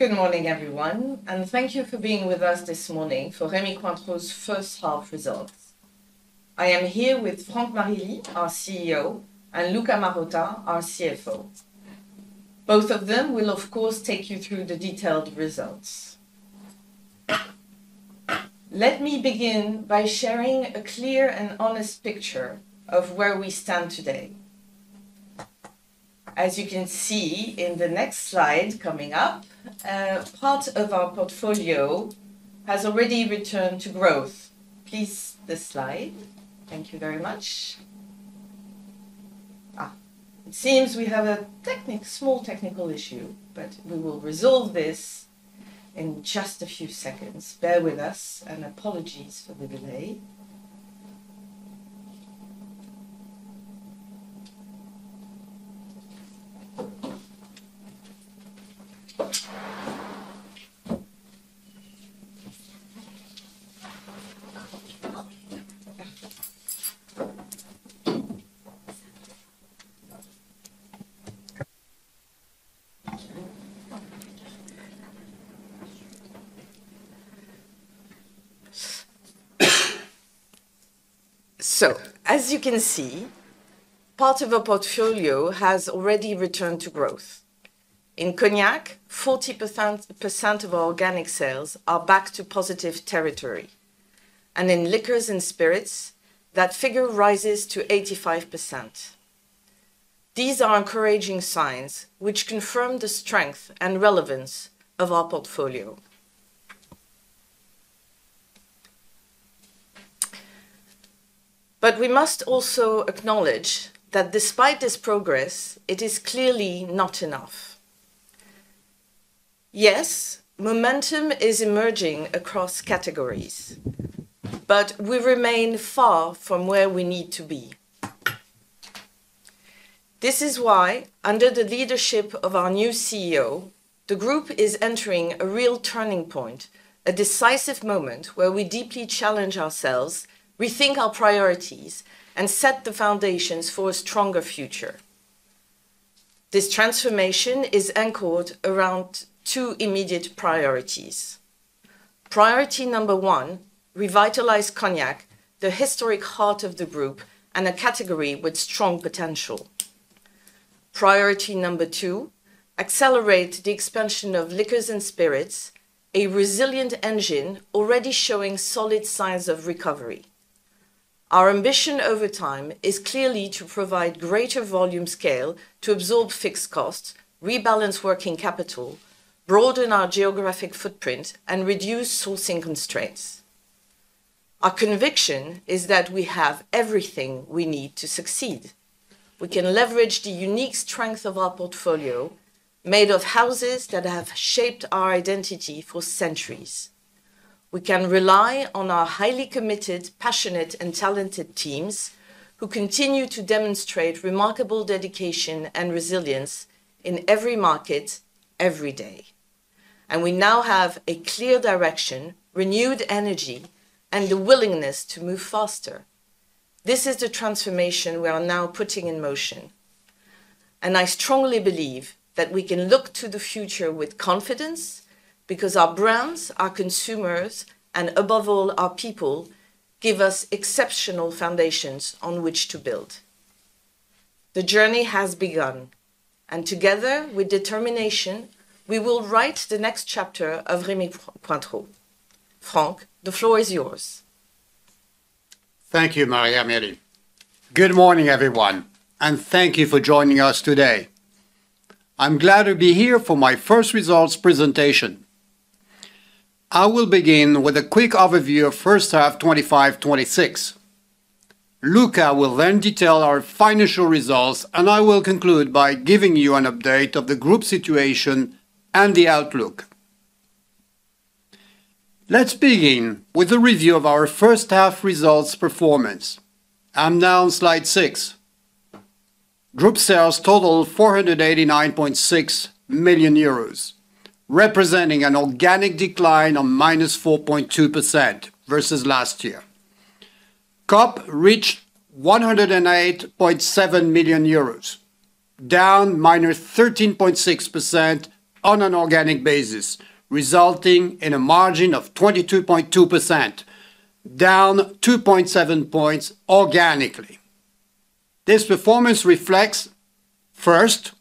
Good morning, everyone, and thank you for being with us this morning for Rémy Cointreau's first half results. I am here with Franck Marilly, our CEO, and Luca Marotta, our CFO. Both of them will, of course, take you through the detailed results. Let me begin by sharing a clear and honest picture of where we stand today. As you can see in the next slide coming up, part of our portfolio has already returned to growth. Please, this slide. Thank you very much. It seems we have a small technical issue, but we will resolve this in just a few seconds. Bear with us, and apologies for the delay. As you can see, part of our portfolio has already returned to growth. In Cognac, 40% of our organic sales are back to positive territory. In liquors and spirits, that figure rises to 85%. These are encouraging signs, which confirm the strength and relevance of our portfolio. We must also acknowledge that despite this progress, it is clearly not enough. Yes, momentum is emerging across categories, but we remain far from where we need to be. This is why, under the leadership of our new CEO, the group is entering a real turning point, a decisive moment where we deeply challenge ourselves, rethink our priorities, and set the foundations for a stronger future. This transformation is anchored around two immediate priorities. Priority number one: revitalize Cognac, the historic heart of the group and a category with strong potential. Priority number two: accelerate the expansion of liqueurs and spirits, a resilient engine already showing solid signs of recovery. Our ambition over time is clearly to provide greater volume scale to absorb fixed costs, rebalance working capital, broaden our geographic footprint, and reduce sourcing constraints. Our conviction is that we have everything we need to succeed. We can leverage the unique strength of our portfolio, made of houses that have shaped our identity for centuries. We can rely on our highly committed, passionate, and talented teams who continue to demonstrate remarkable dedication and resilience in every market, every day. We now have a clear direction, renewed energy, and the willingness to move faster. This is the transformation we are now putting in motion. I strongly believe that we can look to the future with confidence because our brands, our consumers, and above all, our people give us exceptional foundations on which to build. The journey has begun, and together, with determination, we will write the next chapter of Rémy Cointreau. Franck, the floor is yours. Thank you, Marie-Amélie. Good morning, everyone, and thank you for joining us today. I'm glad to be here for my first results presentation. I will begin with a quick overview of first half 2025-2026. Luca will then detail our financial results, and I will conclude by giving you an update of the group situation and the outlook. Let's begin with a review of our first half results performance. I'm now on slide six. Group sales total 489.6 million euros, representing an organic decline of -4.2% versus last year. COP reached 108.7 million euros, down -13.6% on an organic basis, resulting in a margin of 22.2%, down 2.7 percentage points organically. This performance reflects, first,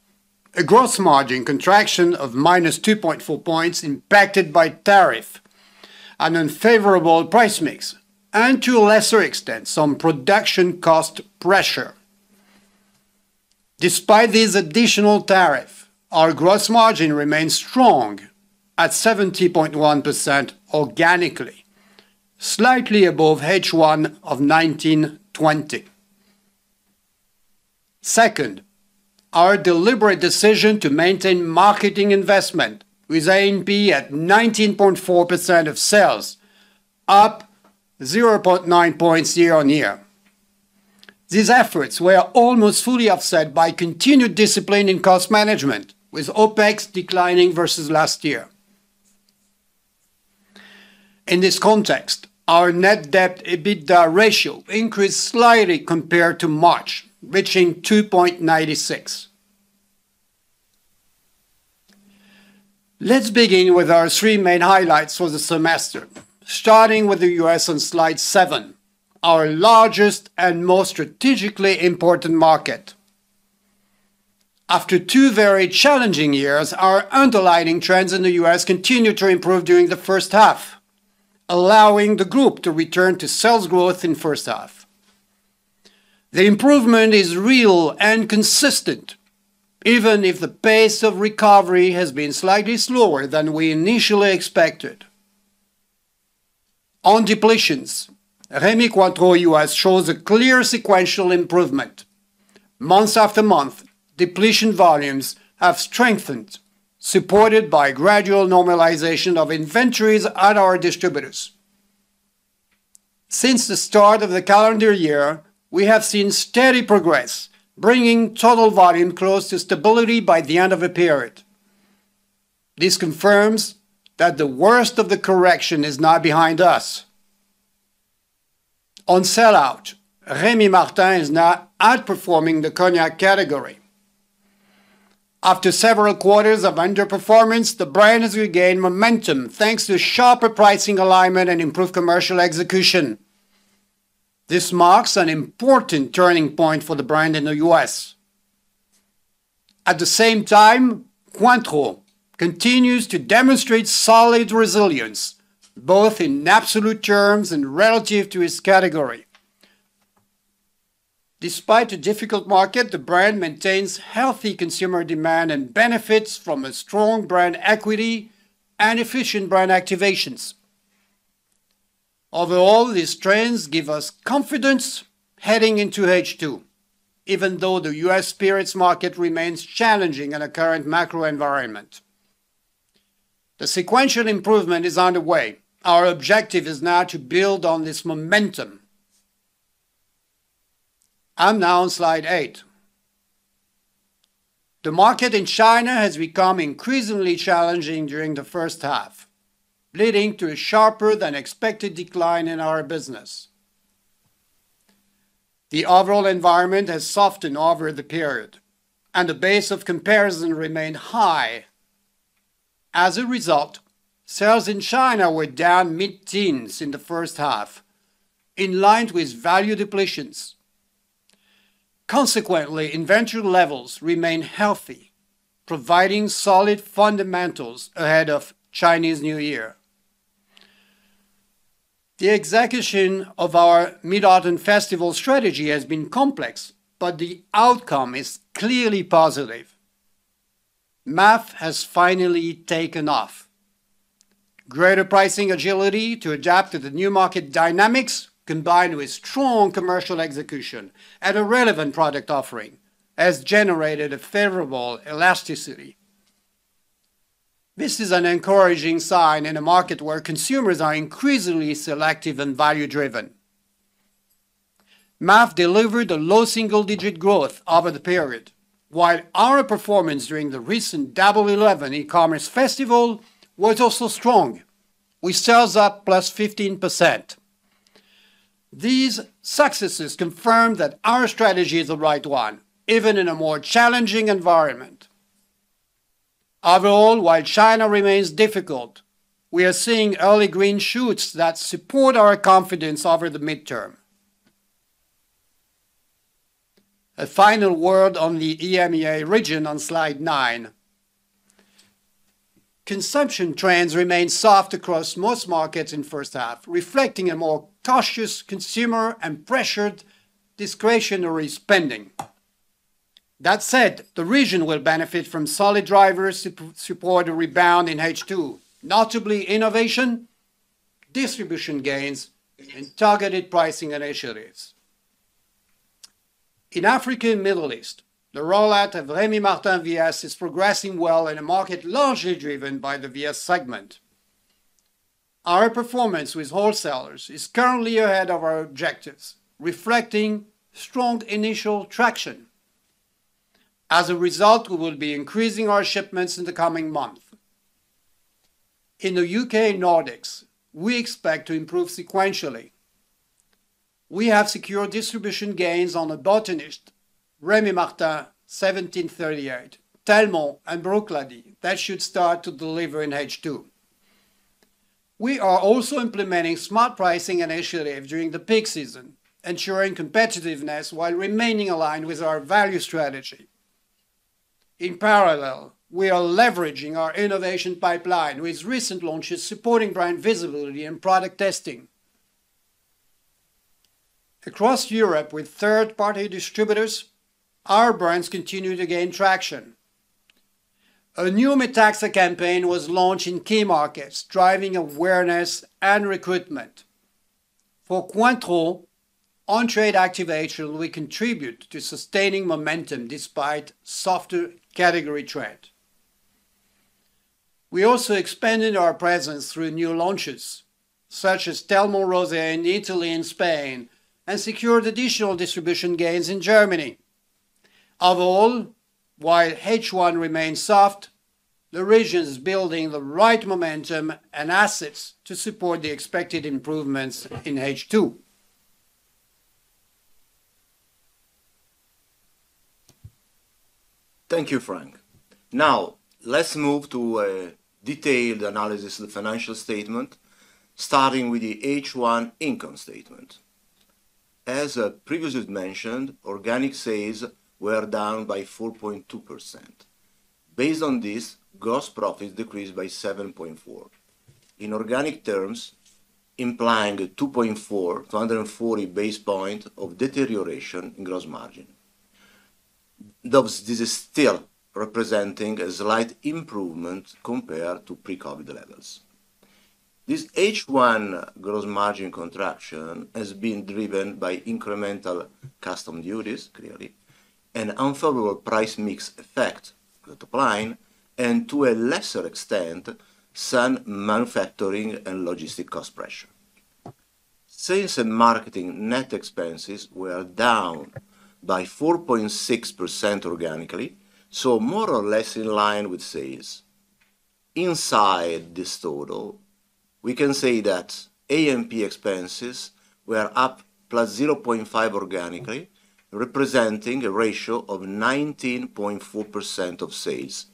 a gross margin contraction of -2.4 percentage points impacted by tariff and unfavorable price mix, and to a lesser extent, some production cost pressure. Despite this additional tariff, our gross margin remains strong at 70.1% organically, slightly above H1 of 2019-2020. Second, our deliberate decision to maintain marketing investment with A&P at 19.4% of sales, up 0.9 percentage points year on year. These efforts were almost fully offset by continued discipline in cost management, with OpEx declining versus last year. In this context, our net debt/EBITDA ratio increased slightly compared to March, reaching 2.96. Let's begin with our three main highlights for the semester, starting with the U.S. on slide seven, our largest and most strategically important market. After two very challenging years, our underlining trends in the U.S. continued to improve during the first half, allowing the group to return to sales growth in first half. The improvement is real and consistent, even if the pace of recovery has been slightly slower than we initially expected. On depletions, Rémy Cointreau US shows a clear sequential improvement. Month after month, depletion volumes have strengthened, supported by a gradual normalization of inventories at our distributors. Since the start of the calendar year, we have seen steady progress, bringing total volume close to stability by the end of the period. This confirms that the worst of the correction is now behind us. On sellout, Rémy Martin is now outperforming the Cognac category. After several quarters of underperformance, the brand has regained momentum thanks to sharper pricing alignment and improved commercial execution. This marks an important turning point for the brand in the U.S. At the same time, Cointreau continues to demonstrate solid resilience, both in absolute terms and relative to its category. Despite a difficult market, the brand maintains healthy consumer demand and benefits from a strong brand equity and efficient brand activations. Overall, these trends give us confidence heading into H2, even though the U.S. spirits market remains challenging in the current macro environment. The sequential improvement is underway. Our objective is now to build on this momentum. I'm now on slide eight. The market in China has become increasingly challenging during the first half, leading to a sharper than expected decline in our business. The overall environment has softened over the period, and the base of comparison remained high. As a result, sales in China were down mid-teens in the first half, in line with value depletions. Consequently, inventory levels remain healthy, providing solid fundamentals ahead of Chinese New Year. The execution of our Mid-Autumn Festival strategy has been complex, but the outcome is clearly positive. MAF has finally taken off. Greater pricing agility to adapt to the new market dynamics, combined with strong commercial execution and a relevant product offering, has generated a favorable elasticity. This is an encouraging sign in a market where consumers are increasingly selective and value-driven. MAF delivered a low single-digit growth over the period, while our performance during the recent Double 11 e-commerce festival was also strong, with sales up +15%. These successes confirm that our strategy is the right one, even in a more challenging environment. Overall, while China remains difficult, we are seeing early green shoots that support our confidence over the midterm. A final word on the EMEA region on slide nine. Consumption trends remain soft across most markets in first half, reflecting a more cautious consumer and pressured discretionary spending. That said, the region will benefit from solid drivers to support a rebound in H2, notably innovation, distribution gains, and targeted pricing initiatives. In Africa and the Middle East, the rollout of Rémy Martin VS is progressing well in a market largely driven by the VS segment. Our performance with wholesalers is currently ahead of our objectives, reflecting strong initial traction. As a result, we will be increasing our shipments in the coming month. In the U.K. and Nordics, we expect to improve sequentially. We have secured distribution gains on The Botanist, Rémy Martin 1738, Telmont, and Bruichladdich that should start to deliver in H2. We are also implementing smart pricing initiatives during the peak season, ensuring competitiveness while remaining aligned with our value strategy. In parallel, we are leveraging our innovation pipeline with recent launches supporting brand visibility and product testing. Across Europe with third-party distributors, our brands continue to gain traction. A new METAXA campaign was launched in key markets, driving awareness and recruitment. For Cointreau, on-trade activation will contribute to sustaining momentum despite softer category trend. We also expanded our presence through new launches, such as Passoã Rosé in Italy and Spain, and secured additional distribution gains in Germany. Overall, while H1 remains soft, the region is building the right momentum and assets to support the expected improvements in H2. Thank you, Franck. Now, let's move to a detailed analysis of the financial statement, starting with the H1 income statement. As previously mentioned, organic sales were down by 4.2%. Based on this, gross profit decreased by 7.4% in organic terms, implying a 2.4 to 140 basis point deterioration in gross margin. This is still representing a slight improvement compared to pre-COVID levels. This H1 gross margin contraction has been driven by incremental customs duties, clearly, and unfavorable price mix effect to the top line, and to a lesser extent, some manufacturing and logistic cost pressure. Sales and marketing net expenses were down by 4.6% organically, so more or less in line with sales. Inside this total, we can say that A&P expenses were up plus 0.5% organically, representing a ratio of 19.4% of sales,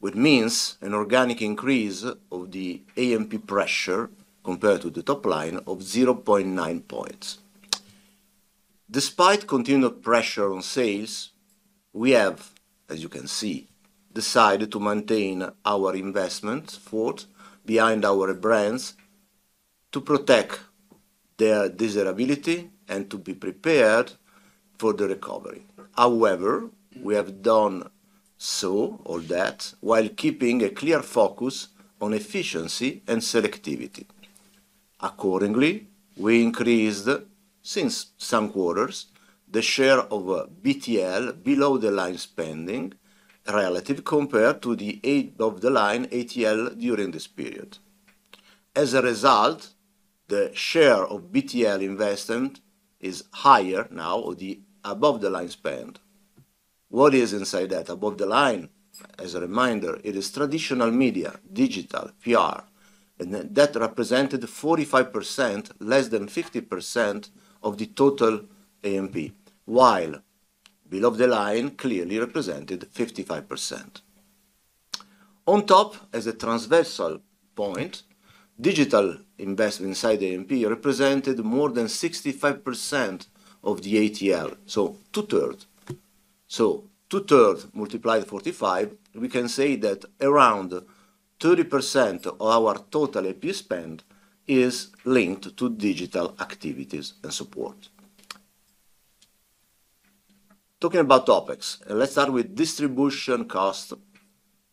which means an organic increase of the A&P pressure compared to the top line of 0.9 percentage points. Despite continued pressure on sales, we have, as you can see, decided to maintain our investment forward behind our brands to protect their desirability and to be prepared for the recovery. However, we have done so while keeping a clear focus on efficiency and selectivity. Accordingly, we increased, since some quarters, the share of BTL below-the-line spending relative compared to the above-the-line ATL during this period. As a result, the share of BTL investment is higher now or the above-the-line spend. What is inside that above-the-line? As a reminder, it is traditional media, digital, PR, and that represented 45%, less than 50% of the total A&P, while below-the-line clearly represented 55%. On top, as a transversal point, digital investment inside A&P represented more than 65% of the ATL, so two-thirds. Two-thirds multiplied by 45, we can say that around 30% of our total A&P spend is linked to digital activities and support. Talking about OpEx, let's start with distribution costs.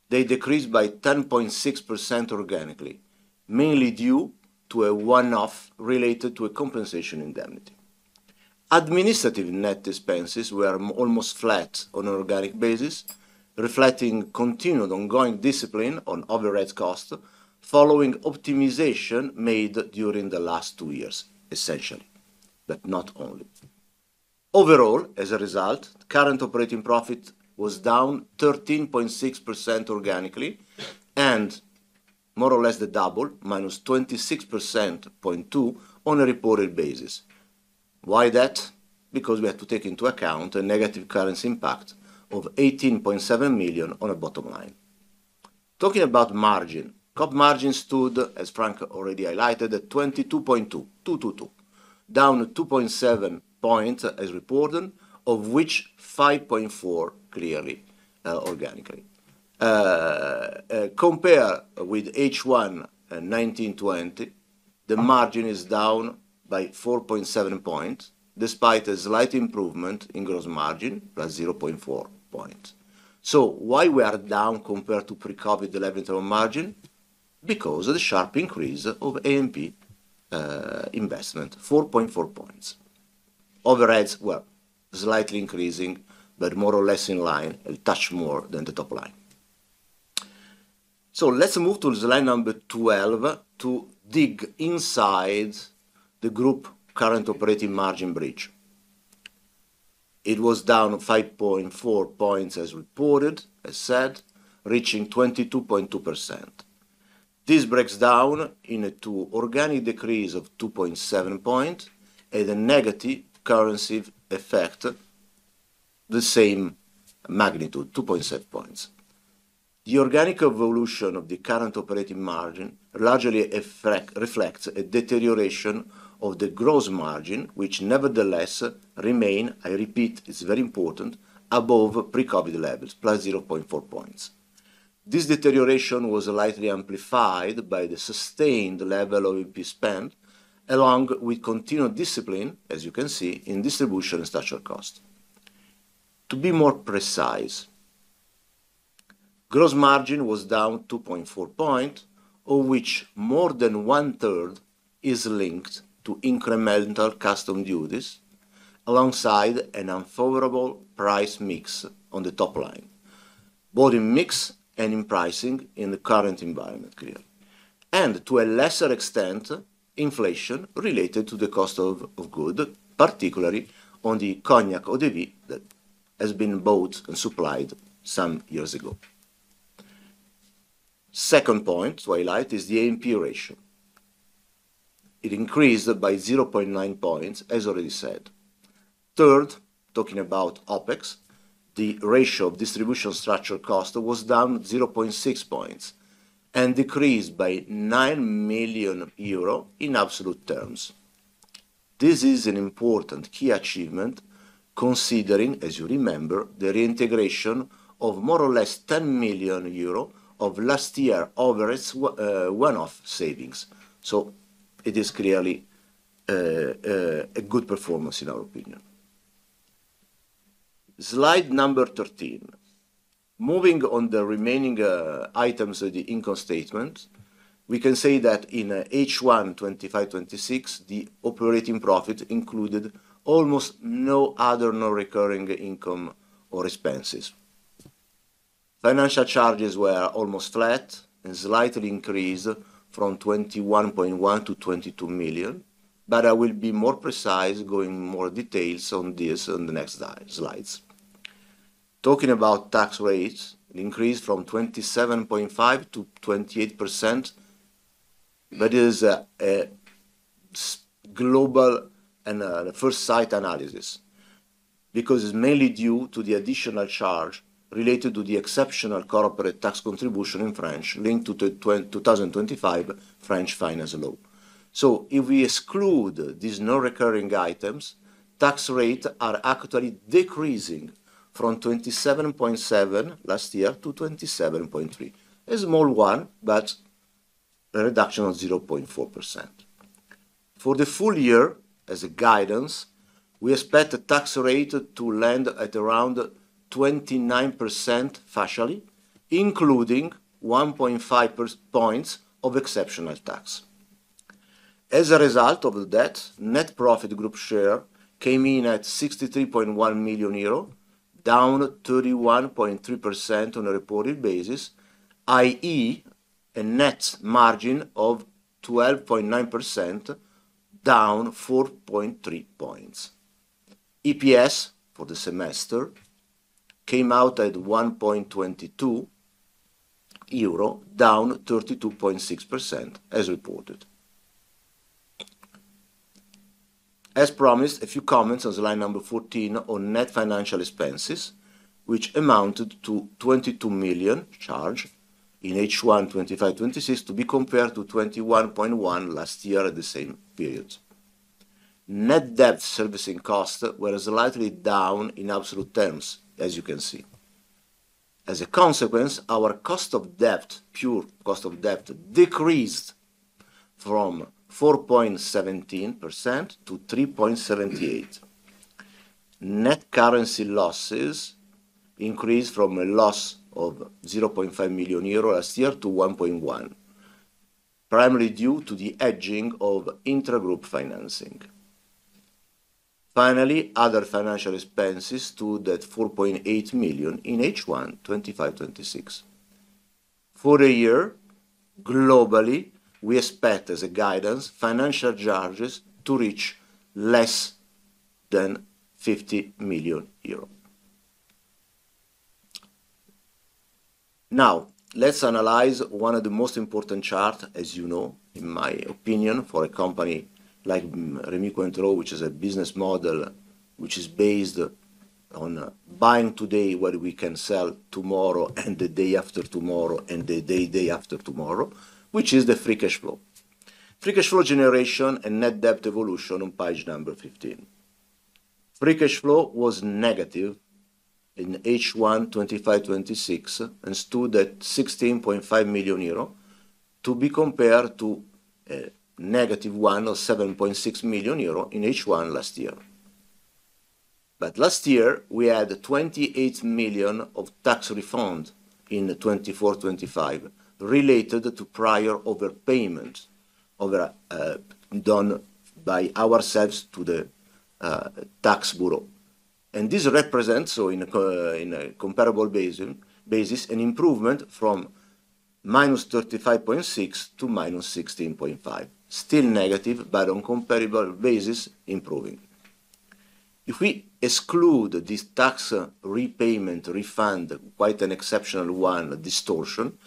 They decreased by 10.6% organically, mainly due to a one-off related to a compensation indemnity. Administrative net expenses were almost flat on an organic basis, reflecting continued ongoing discipline on overhead costs following optimization made during the last two years, essentially, but not only. Overall, as a result, current operating profit was down 13.6% organically and more or less the double, -26.2% on a reported basis. Why that? Because we have to take into account a negative currency impact of 18.7 million on a bottom line. Talking about margin, COP margin stood, as Franck already highlighted, at 22.2%, down 2.7 percentage points as reported, of which 5.4 clearly organically. Compared with H1 2019-2020, the margin is down by 4.7 percentage points despite a slight improvement in gross margin, plus 0.4 percentage points. Why are we down compared to pre-COVID level term margin? Because of the sharp increase of A&P investment, 4.4 percentage points. Overheads were slightly increasing, but more or less in line, a touch more than the top line. Let's move to slide number 12 to dig inside the group current operating margin breach. It was down 5.4 percentage points as reported, as said, reaching 22.2%. This breaks down into organic decrease of 2.7 percentage points and a negative currency effect of the same magnitude, 2.7 percentage points. The organic evolution of the current operating margin largely reflects a deterioration of the gross margin, which nevertheless remains, I repeat, it's very important, above pre-COVID levels, +0.4 percentage points. This deterioration was likely amplified by the sustained level of A&P spend, along with continued discipline, as you can see, in distribution and structural costs. To be more precise, gross margin was down 2.4 percentage points, of which more than one-third is linked to incremental customs duties alongside an unfavorable price mix on the top line, both in mix and in pricing in the current environment, clearly. To a lesser extent, inflation related to the cost of goods, particularly on the Cognac eau de vie that has been bought and supplied some years ago. Second point to highlight is the A&P ratio. It increased by 0.9 percentage points, as already said. Third, talking about OpEx, the ratio of distribution structural cost was down 0.6 percentage points and decreased by 9 million euro in absolute terms. This is an important key achievement considering, as you remember, the reintegration of more or less 10 million euro of last year's overhead one-off savings. It is clearly a good performance in our opinion. Slide number 13. Moving on the remaining items of the income statement, we can say that in H1 2025-2026, the operating profit included almost no other non-recurring income or expenses. Financial charges were almost flat and slightly increased from 21.1 million to 22 million, but I will be more precise going into more details on this on the next slides. Talking about tax rates, it increased from 27.5% to 28%, but it is a global and first-site analysis because it is mainly due to the additional charge related to the exceptional corporate tax contribution in France linked to the 2025 French finance law. If we exclude these non-recurring items, tax rates are actually decreasing from 27.7% last year to 27.3%, a small one, but a reduction of 0.4%. For the full year, as a guidance, we expect the tax rate to land at around 29% including 1.5 percentage points of exceptional tax. As a result of that, net profit group share came in at 63.1 million euro, down 31.3% on a reported basis, i.e., a net margin of 12.9%, down 4.3 percentage points. EPS for the semester came out at 1.22 euro, down 32.6%, as reported. As promised, a few comments on slide number 14 on net financial expenses, which amounted to a 22 million charge in H1 2025-2026 to be compared to 21.1 million last year at the same period. Net debt servicing costs were slightly down in absolute terms, as you can see. As a consequence, our cost of debt, pure cost of debt, decreased from 4.17% to 3.78%. Net currency losses increased from a loss of 0.5 million euro last year to 1.1 million, primarily due to the hedging of intra-group financing. Finally, other financial expenses stood at 4.8 million in H1 2025-2026. For the year, globally, we expect as a guidance, financial charges to reach less than EUR 50 million. Now, let's analyze one of the most important charts, as you know, in my opinion, for a company like Rémy Cointreau, which is a business model which is based on buying today what we can sell tomorrow and the day after tomorrow and the day after tomorrow, which is the free cash flow. Free cash flow generation and net debt evolution on page number 15. Free cash flow was negative in H1 2025-2026 and stood at 16.5 million euro to be compared to negative 107.6 million euro in H1 last year. Last year, we had 28 million of tax refunds in 2024-2025 related to prior overpayments done by ourselves to the tax bureau. This represents, on a comparable basis, an improvement from -35.6% to -16.5%, still negative, but on a comparable basis, improving. If we exclude this tax repayment refund, quite an exceptional one distortion,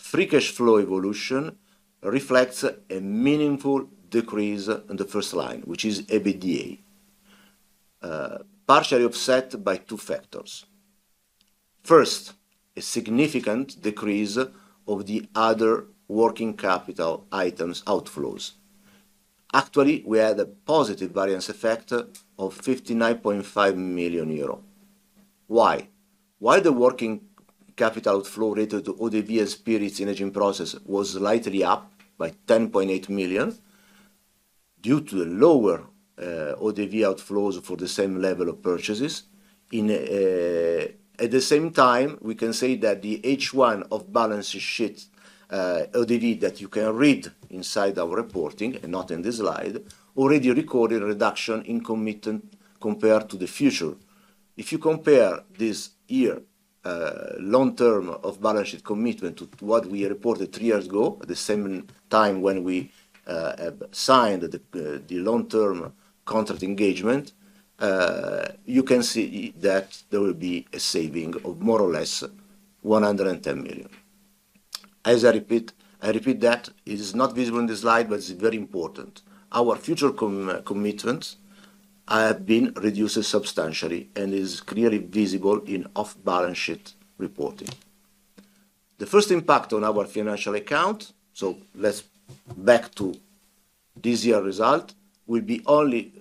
free cash flow evolution reflects a meaningful decrease on the first line, which is EBITDA, partially offset by two factors. First, a significant decrease of the other working capital items outflows. Actually, we had a positive variance effect of 59.5 million euro. Why? Why the working capital outflow related to eau de vie and spirits in aging process was slightly up by 10.8 million due to lower eau de vie outflows for the same level of purchases. At the same time, we can say that the H1 balance sheet eau de vie that you can read inside our reporting and not in this slide already recorded a reduction in commitment compared to the future. If you compare this year's long-term off-balance sheet commitment to what we reported three years ago, the same time when we signed the long-term contract engagement, you can see that there will be a saving of more or less 110 million. As I repeat, I repeat that it is not visible in this slide, but it's very important. Our future commitments have been reduced substantially and is clearly visible in off-balance sheet reporting. The first impact on our financial account, so let's back to this year's result, will be only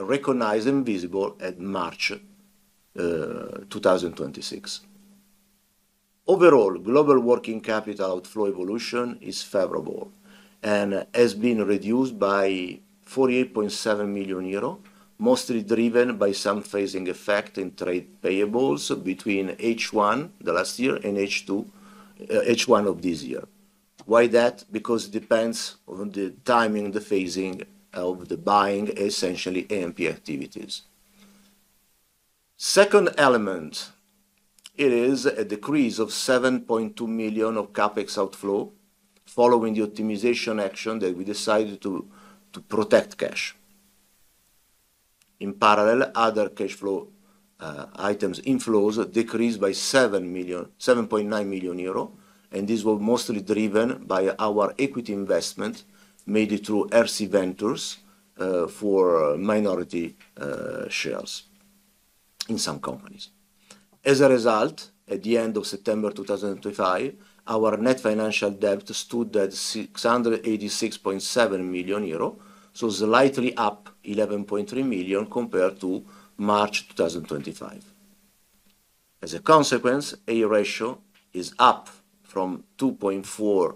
recognized and visible at March 2026. Overall, global working capital outflow evolution is favorable and has been reduced by 48.7 million euro, mostly driven by some phasing effect in trade payables between H1 last year and H1 of this year. Why that? Because it depends on the timing, the phasing of the buying, essentially A&P activities. Second element, it is a decrease of 7.2 million of CapEx outflow following the optimization action that we decided to protect cash. In parallel, other cash flow items, inflows decreased by 7.9 million euro, and this was mostly driven by our equity investment made through RC Ventures for minority shares in some companies. As a result, at the end of September 2025, our net financial debt stood at 686.7 million euro, so slightly up 11.3 million compared to March 2025. As a consequence, A ratio is up from 2.4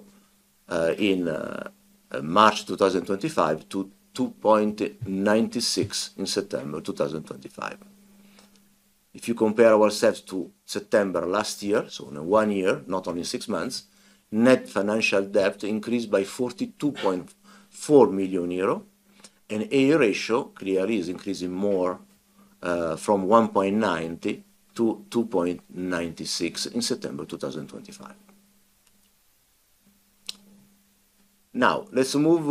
in March 2025 to 2.96 in September 2025. If you compare ourselves to September last year, so in one year, not only six months, net financial debt increased by 42.4 million euro, and A ratio clearly is increasing more from 1.90 to 2.96 in September 2025. Now, let's move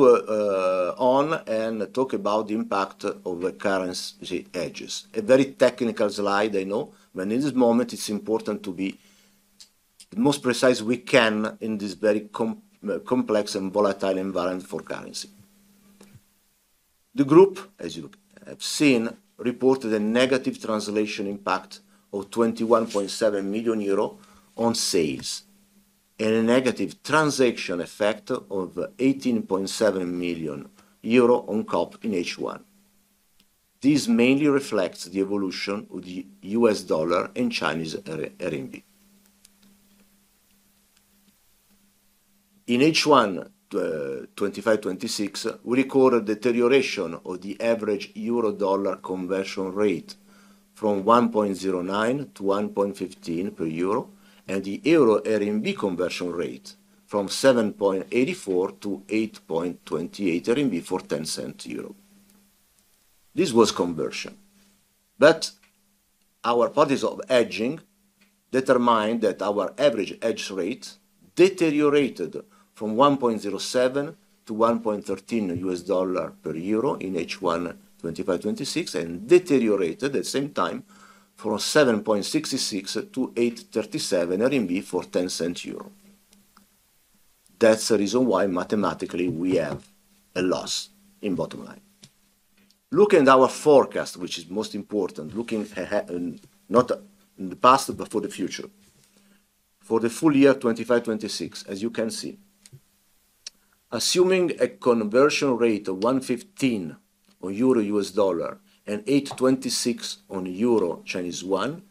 on and talk about the impact of the currency hedges. A very technical slide, I know, but in this moment, it's important to be as precise as we can in this very complex and volatile environment for currency. The group, as you have seen, reported a negative translation impact of 21.7 million euro on sales and a negative transaction effect of 18.7 million euro on COP in H1. This mainly reflects the evolution of the US dollar and Chinese RMB. In H1 2025-2026, we recorded a deterioration of the average euro dollar conversion rate from 1.09 to 1.15 per euro and the euro RMB conversion rate from 7.84 to 8.28 RMB for 0.10 euro. This was conversion. Our parties of hedging determined that our average hedge rate deteriorated from 1.07 to 1.13 US dollar per euro in H1 2025-2026 and deteriorated at the same time from 7.66 to 8.37 RMB for 0.10 euro. That's the reason why mathematically we have a loss in bottom line. Looking at our forecast, which is most important, looking not in the past, but for the future, for the full year 2025-2026, as you can see, assuming a conversion rate of 1.15 on EUR/USD and 8.26 on EUR Chinese RMB,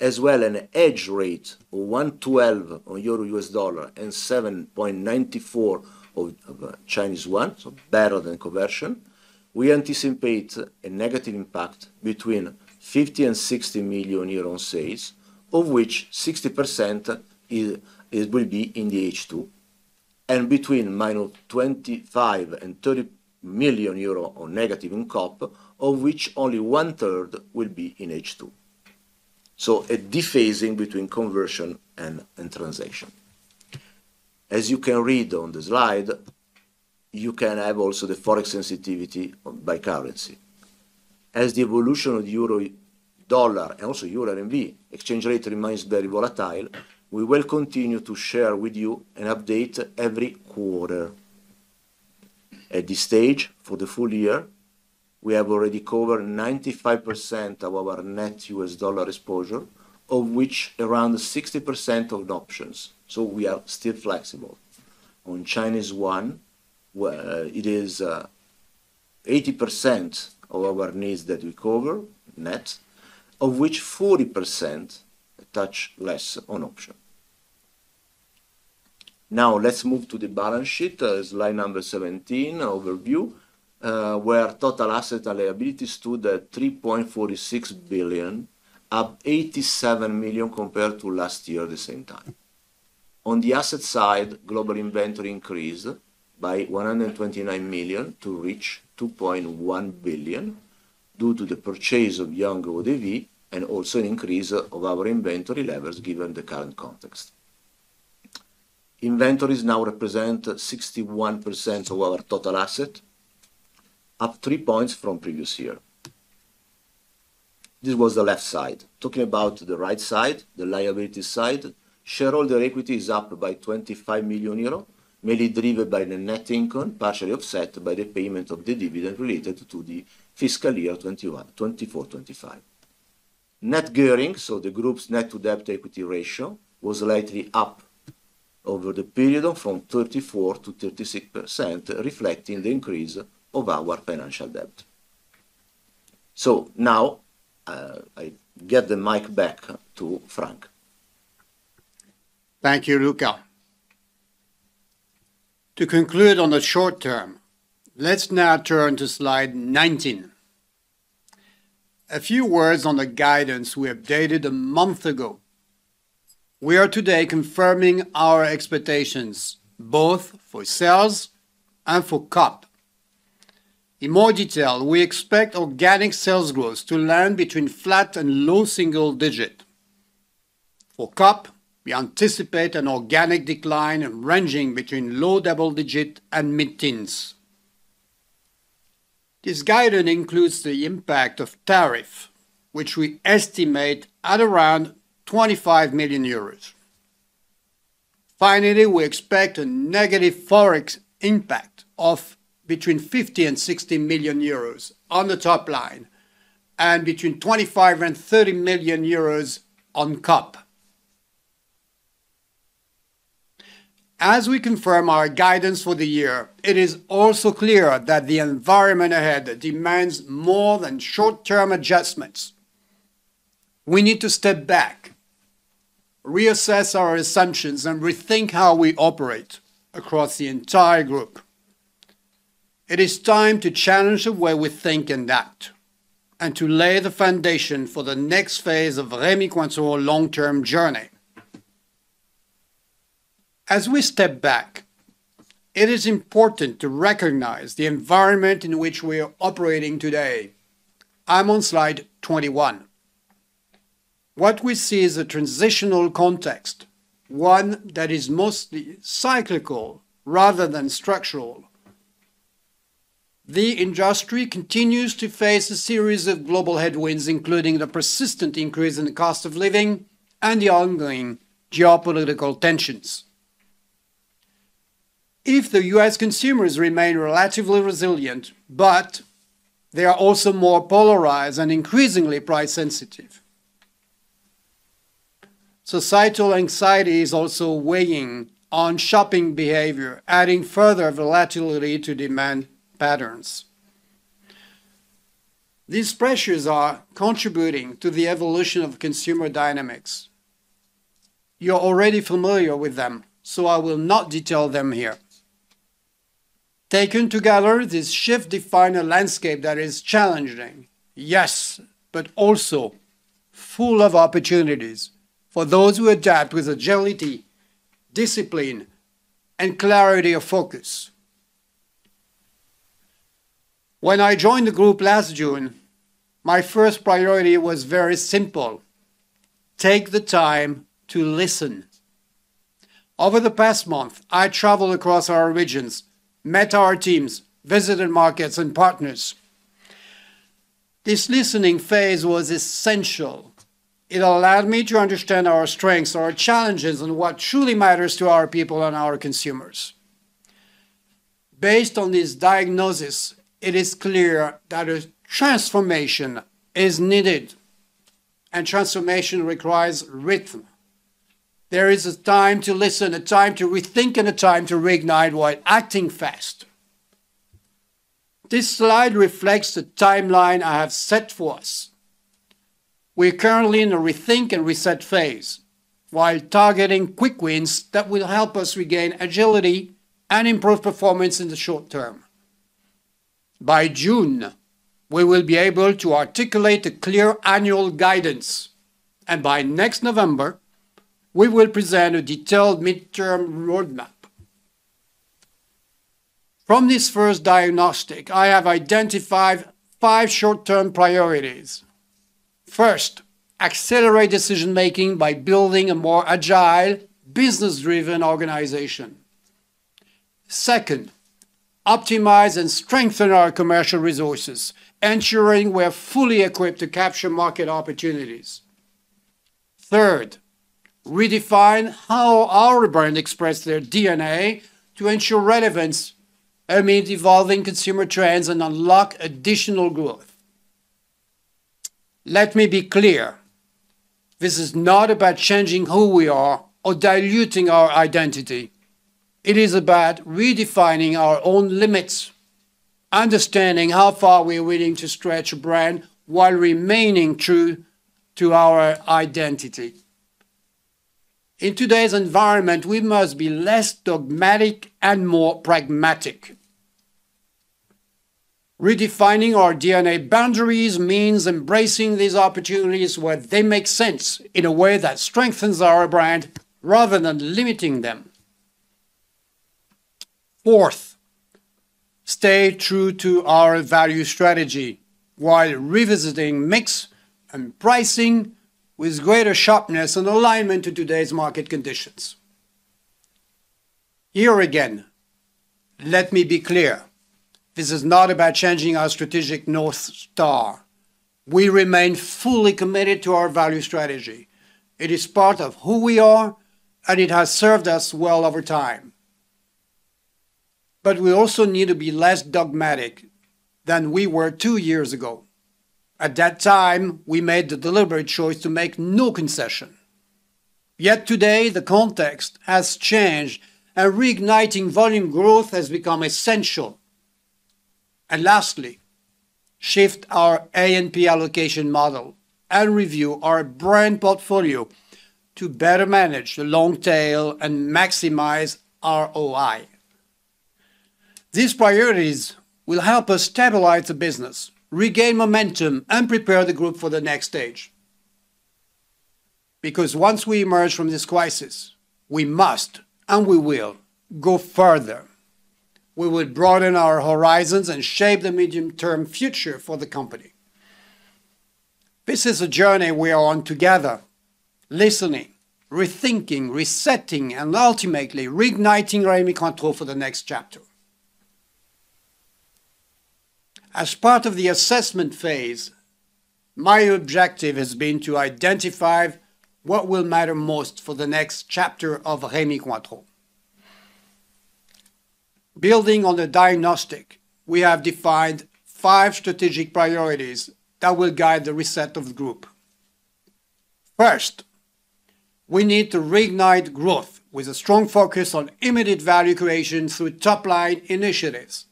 as well as a hedge rate of 1.12 on EUR/USD and 7.94 of Chinese RMB, so better than conversion, we anticipate a negative impact between 50 million-60 million euro on sales, of which 60% will be in the H2, and between -25 million--30 million euro on negative in COP, of which only one-third will be in H2. A dephasing between conversion and transaction. As you can read on the slide, you can have also the forex sensitivity by currency. As the evolution of euro dollar and also euro RMB exchange rate remains very volatile, we will continue to share with you an update every quarter. At this stage, for the full year, we have already covered 95% of our net US dollar exposure, of which around 60% on options. We are still flexible. On Chinese yuan, it is 80% of our needs that we cover net, of which 40% touch less on option. Now, let's move to the balance sheet, slide number 17 overview, where total asset liabilities stood at 3.46 billion, up 87 million compared to last year at the same time. On the asset side, global inventory increased by 129 million to reach 2.1 billion due to the purchase of young eau de vie and also an increase of our inventory levels given the current context. Inventories now represent 61% of our total asset, up three points from previous year. This was the left side. Talking about the right side, the liability side, shareholder equity is up by 25 million euro, mainly driven by the net income partially offset by the payment of the dividend related to the fiscal year 2024-2025. Net gearing, so the group's net to debt equity ratio, was slightly up over the period from 34% to 36%, reflecting the increase of our financial debt. I get the mic back to Franck. Thank you, Luca. To conclude on the short term, let's now turn to slide 19. A few words on the guidance we updated a month ago. We are today confirming our expectations both for sales and for COP. In more detail, we expect organic sales growth to land between flat and low single digit. For COP, we anticipate an organic decline ranging between low double digit and mid-teens. This guidance includes the impact of tariffs, which we estimate at around 25 million euros. Finally, we expect a negative forex impact of between 50 million and 60 million euros on the top line and between 25 million and 30 million euros on COP. As we confirm our guidance for the year, it is also clear that the environment ahead demands more than short-term adjustments. We need to step back, reassess our assumptions, and rethink how we operate across the entire group. It is time to challenge the way we think and act, and to lay the foundation for the next phase of Rémy Cointreau's long-term journey. As we step back, it is important to recognize the environment in which we are operating today. I'm on slide 21. What we see is a transitional context, one that is mostly cyclical rather than structural. The industry continues to face a series of global headwinds, including the persistent increase in the cost of living and the ongoing geopolitical tensions. If the U.S. consumers remain relatively resilient, but they are also more polarized and increasingly price sensitive. Societal anxiety is also weighing on shopping behavior, adding further volatility to demand patterns. These pressures are contributing to the evolution of consumer dynamics. You're already familiar with them, so I will not detail them here. Taken together, this shift defines a landscape that is challenging, yes, but also full of opportunities for those who adapt with agility, discipline, and clarity of focus. When I joined the group last June, my first priority was very simple: take the time to listen. Over the past month, I traveled across our regions, met our teams, visited markets and partners. This listening phase was essential. It allowed me to understand our strengths, our challenges, and what truly matters to our people and our consumers. Based on this diagnosis, it is clear that a transformation is needed, and transformation requires rhythm. There is a time to listen, a time to rethink, and a time to reignite while acting fast. This slide reflects the timeline I have set for us. We are currently in a rethink and reset phase while targeting quick wins that will help us regain agility and improve performance in the short term. By June, we will be able to articulate a clear annual guidance, and by next November, we will present a detailed midterm roadmap. From this first diagnostic, I have identified five short-term priorities. First, accelerate decision-making by building a more agile, business-driven organization. Second, optimize and strengthen our commercial resources, ensuring we are fully equipped to capture market opportunities. Third, redefine how our brand expresses their DNA to ensure relevance amid evolving consumer trends and unlock additional growth. Let me be clear. This is not about changing who we are or diluting our identity. It is about redefining our own limits, understanding how far we are willing to stretch a brand while remaining true to our identity. In today's environment, we must be less dogmatic and more pragmatic. Redefining our DNA boundaries means embracing these opportunities where they make sense in a way that strengthens our brand rather than limiting them. Fourth, stay true to our value strategy while revisiting mix and pricing with greater sharpness and alignment to today's market conditions. Here again, let me be clear. This is not about changing our strategic North Star. We remain fully committed to our value strategy. It is part of who we are, and it has served us well over time. We also need to be less dogmatic than we were two years ago. At that time, we made the deliberate choice to make no concession. Yet today, the context has changed, and reigniting volume growth has become essential. Lastly, shift our A&P allocation model and review our brand portfolio to better manage the long tail and maximize ROI. These priorities will help us stabilize the business, regain momentum, and prepare the group for the next stage. Because once we emerge from this crisis, we must, and we will, go further. We will broaden our horizons and shape the medium-term future for the company. This is a journey we are on together, listening, rethinking, resetting, and ultimately reigniting Rémy Cointreau for the next chapter. As part of the assessment phase, my objective has been to identify what will matter most for the next chapter of Rémy Cointreau. Building on the diagnostic, we have defined five strategic priorities that will guide the reset of the group. First, we need to reignite growth with a strong focus on immediate value creation through top-line initiatives.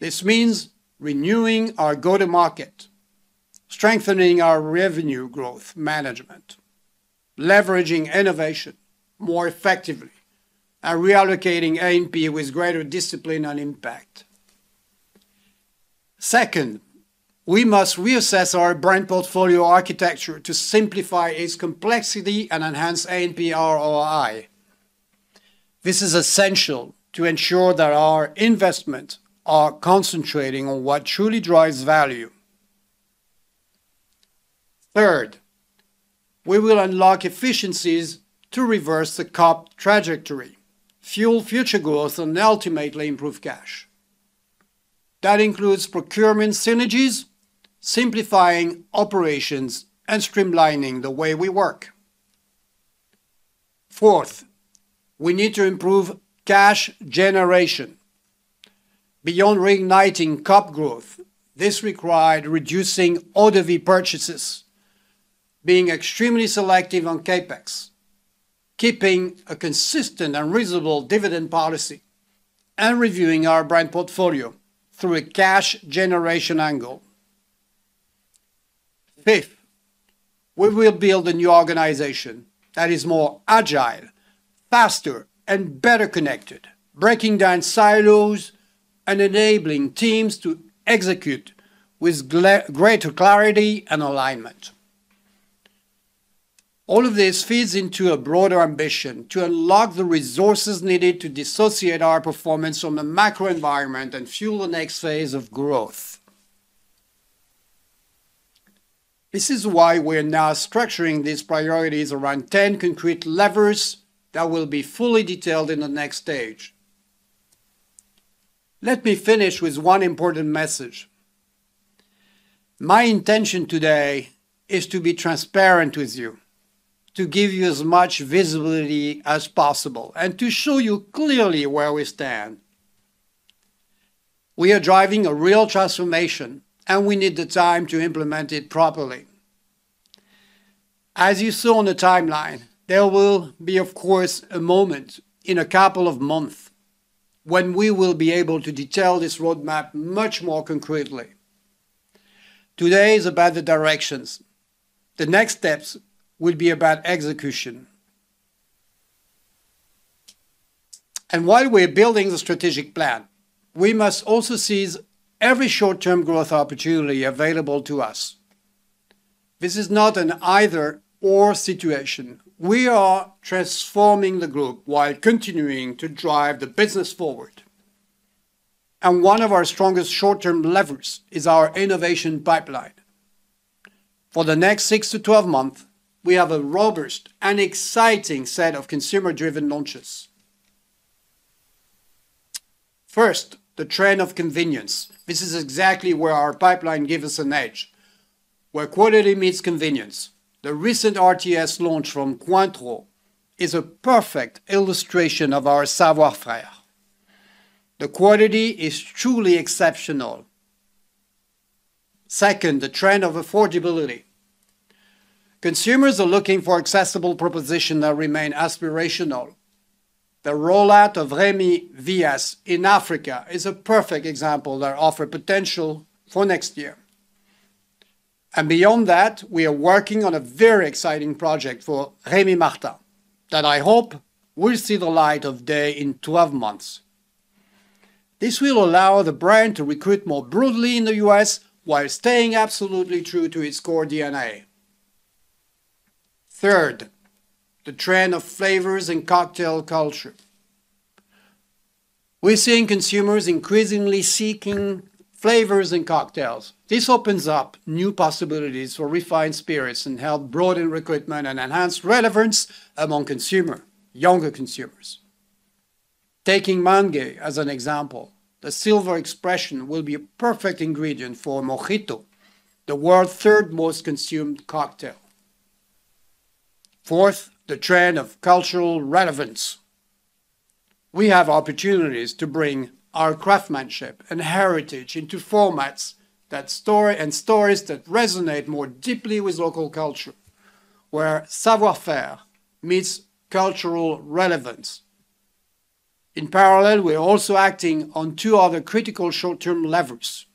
This means renewing our go-to-market, strengthening our revenue growth management, leveraging innovation more effectively, and reallocating A&P with greater discipline and impact. Second, we must reassess our brand portfolio architecture to simplify its complexity and enhance A&P ROI. This is essential to ensure that our investments are concentrating on what truly drives value. Third, we will unlock efficiencies to reverse the COP trajectory, fuel future growth, and ultimately improve cash. That includes procurement synergies, simplifying operations, and streamlining the way we work. Fourth, we need to improve cash generation. Beyond reigniting COP growth, this required reducing eau de vie purchases, being extremely selective on CapEx, keeping a consistent and reasonable dividend policy, and reviewing our brand portfolio through a cash generation angle. Fifth, we will build a new organization that is more agile, faster, and better connected, breaking down silos and enabling teams to execute with greater clarity and alignment. All of this feeds into a broader ambition to unlock the resources needed to dissociate our performance from the macro environment and fuel the next phase of growth. This is why we are now structuring these priorities around 10 concrete levers that will be fully detailed in the next stage. Let me finish with one important message. My intention today is to be transparent with you, to give you as much visibility as possible, and to show you clearly where we stand. We are driving a real transformation, and we need the time to implement it properly. As you saw on the timeline, there will be, of course, a moment in a couple of months when we will be able to detail this roadmap much more concretely. Today is about the directions. The next steps will be about execution. While we are building the strategic plan, we must also seize every short-term growth opportunity available to us. This is not an either-or situation. We are transforming the group while continuing to drive the business forward. One of our strongest short-term levers is our innovation pipeline. For the next 6-12 months, we have a robust and exciting set of consumer-driven launches. First, the trend of convenience. This is exactly where our pipeline gives us an edge, where quality meets convenience. The recent RTS launch from Cointreau is a perfect illustration of our savoir-faire. The quality is truly exceptional. Second, the trend of affordability. Consumers are looking for accessible propositions that remain aspirational. The rollout of Rémy VS in Africa is a perfect example that offers potential for next year. Beyond that, we are working on a very exciting project for Rémy Martin, that I hope will see the light of day in 12 months. This will allow the brand to recruit more broadly in the U.S. while staying absolutely true to its core DNA. Third, the trend of flavors and cocktail culture. We're seeing consumers increasingly seeking flavors and cocktails. This opens up new possibilities for refined spirits and helps broaden recruitment and enhance relevance among consumers, younger consumers. Taking mangue as an example, the silver expression will be a perfect ingredient for Mojito, the world's third most consumed cocktail. Fourth, the trend of cultural relevance. We have opportunities to bring our craftsmanship and heritage into formats that story and stories that resonate more deeply with local culture, where savoir-faire meets cultural relevance. In parallel, we're also acting on two other critical short-term levers: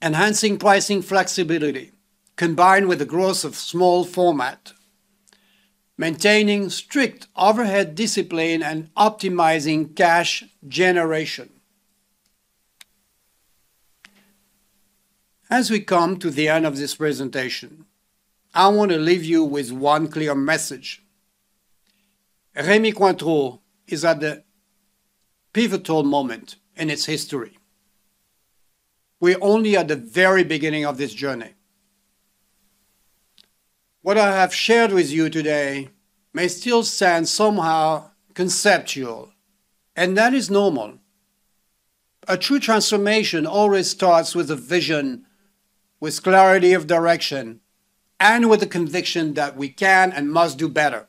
enhancing pricing flexibility combined with the growth of small format, maintaining strict overhead discipline, and optimizing cash generation. As we come to the end of this presentation, I want to leave you with one clear message. Rémy Cointreau is at the pivotal moment in its history. We're only at the very beginning of this journey. What I have shared with you today may still sound somehow conceptual, and that is normal. A true transformation always starts with a vision, with clarity of direction, and with the conviction that we can and must do better.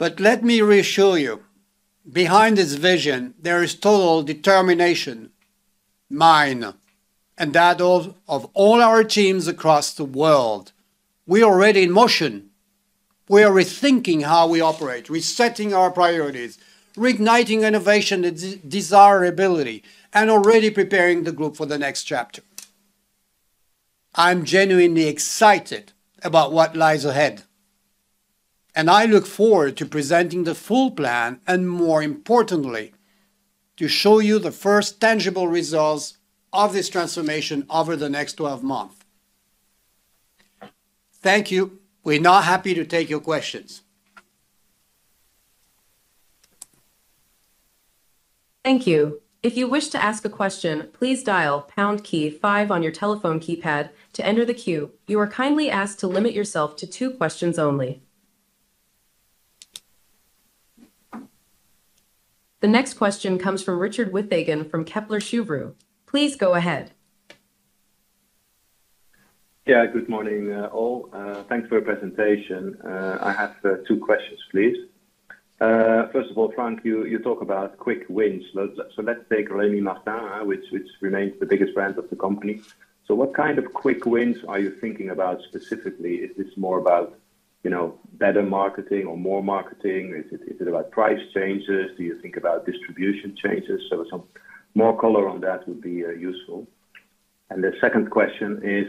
Let me reassure you, behind this vision, there is total determination, mine, and that of all our teams across the world. We are already in motion. We are rethinking how we operate, resetting our priorities, reigniting innovation and desirability, and already preparing the group for the next chapter. I'm genuinely excited about what lies ahead, and I look forward to presenting the full plan and, more importantly, to show you the first tangible results of this transformation over the next 12 months. Thank you. We are now happy to take your questions. Thank you. If you wish to ask a question, please dial pound key five on your telephone keypad to enter the queue. You are kindly asked to limit yourself to two questions only. The next question comes from Richard Withagan from Kepler Cheuvreux. Please go ahead. Yeah, good morning all. Thanks for your presentation. I have two questions, please. First of all, Franck, you talk about quick wins. Let's take Rémy Martin, which remains the biggest brand of the company. What kind of quick wins are you thinking about specifically? Is this more about better marketing or more marketing? Is it about price changes? Do you think about distribution changes? Some more color on that would be useful. The second question is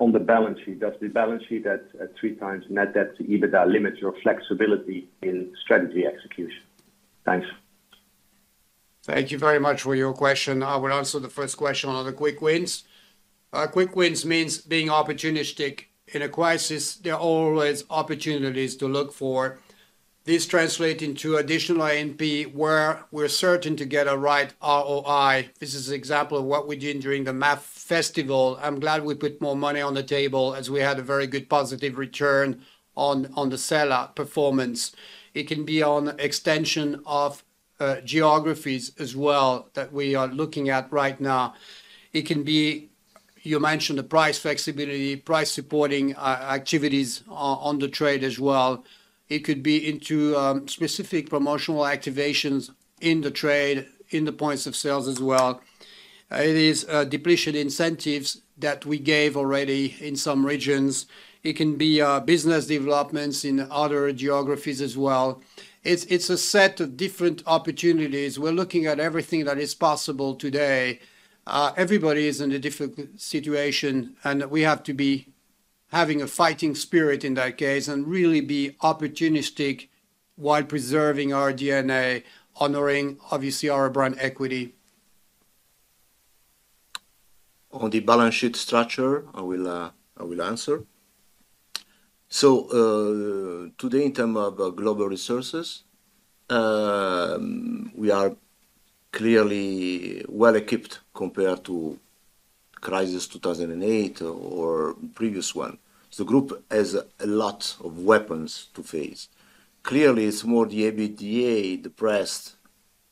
on the balance sheet. Does the balance sheet at three times net debt to EBITDA limit your flexibility in strategy execution? Thanks. Thank you very much for your question. I will answer the first question on the quick wins. Quick wins means being opportunistic. In a crisis, there are always opportunities to look for. This translates into additional A&P where we're certain to get a right ROI. This is an example of what we did during the MAF Festival. I'm glad we put more money on the table as we had a very good positive return on the sell-out performance. It can be on extension of geographies as well that we are looking at right now. It can be, you mentioned, the price flexibility, price supporting activities on the trade as well. It could be into specific promotional activations in the trade, in the points of sales as well. It is depletion incentives that we gave already in some regions. It can be business developments in other geographies as well. It's a set of different opportunities. We're looking at everything that is possible today. Everybody is in a difficult situation, and we have to be having a fighting spirit in that case and really be opportunistic while preserving our DNA, honoring, obviously, our brand equity. On the balance sheet structure, I will answer. Today, in terms of global resources, we are clearly well equipped compared to the crisis of 2008 or the previous one. The group has a lot of weapons to face. Clearly, it is more the EBITDA depressed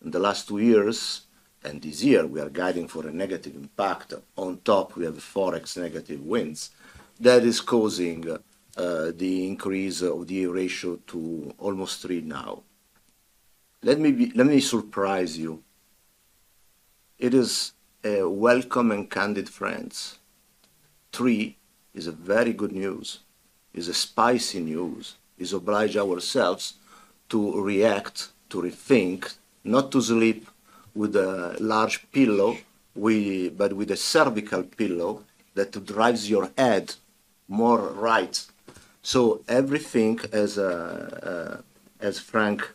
in the last two years, and this year, we are guiding for a negative impact. On top, we have the Forex negative winds that are causing the increase of the ratio to almost three now. Let me surprise you. It is welcome and candid, friends. Three is very good news. It is spicy news. It is obliging ourselves to react, to rethink, not to sleep with a large pillow, but with a cervical pillow that drives your head more right. Everything, as Franck,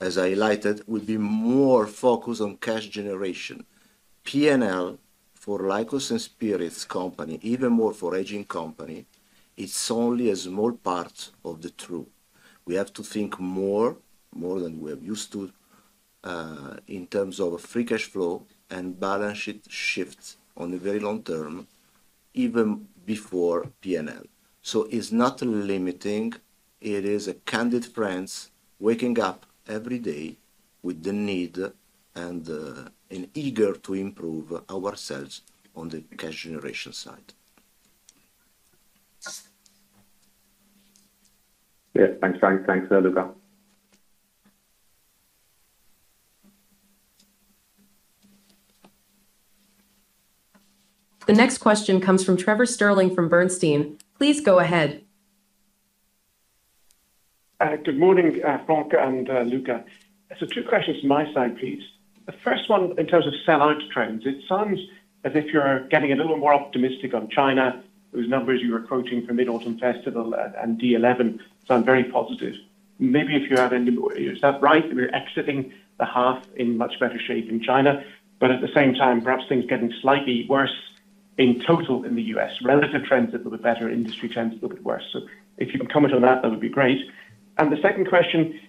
as I highlighted, will be more focused on cash generation. P&L for company, even more for aging company, is only a small part of the truth. We have to think more, more than we're used to, in terms of free cash flow and balance sheet shift on a very long term, even before P&L. It is not limiting. It is candid friends waking up every day with the need and eager to improve ourselves on the cash generation side. Yeah, thanks, Franck. Thanks, Luca. The next question comes from Trevor Stirling from Bernstein. Please go ahead. Good morning, Franck and Luca. Two questions from my side, please. The first one, in terms of sell-out trends, it sounds as if you're getting a little more optimistic on China. Those numbers you were quoting from Mid-Autumn Festival and D11 sound very positive. Maybe if you have any more, is that right? We're exiting the half in much better shape in China, but at the same time, perhaps things are getting slightly worse in total in the U.S. Relative trends are a little bit better. Industry trends are a little bit worse. If you can comment on that, that would be great. The second question,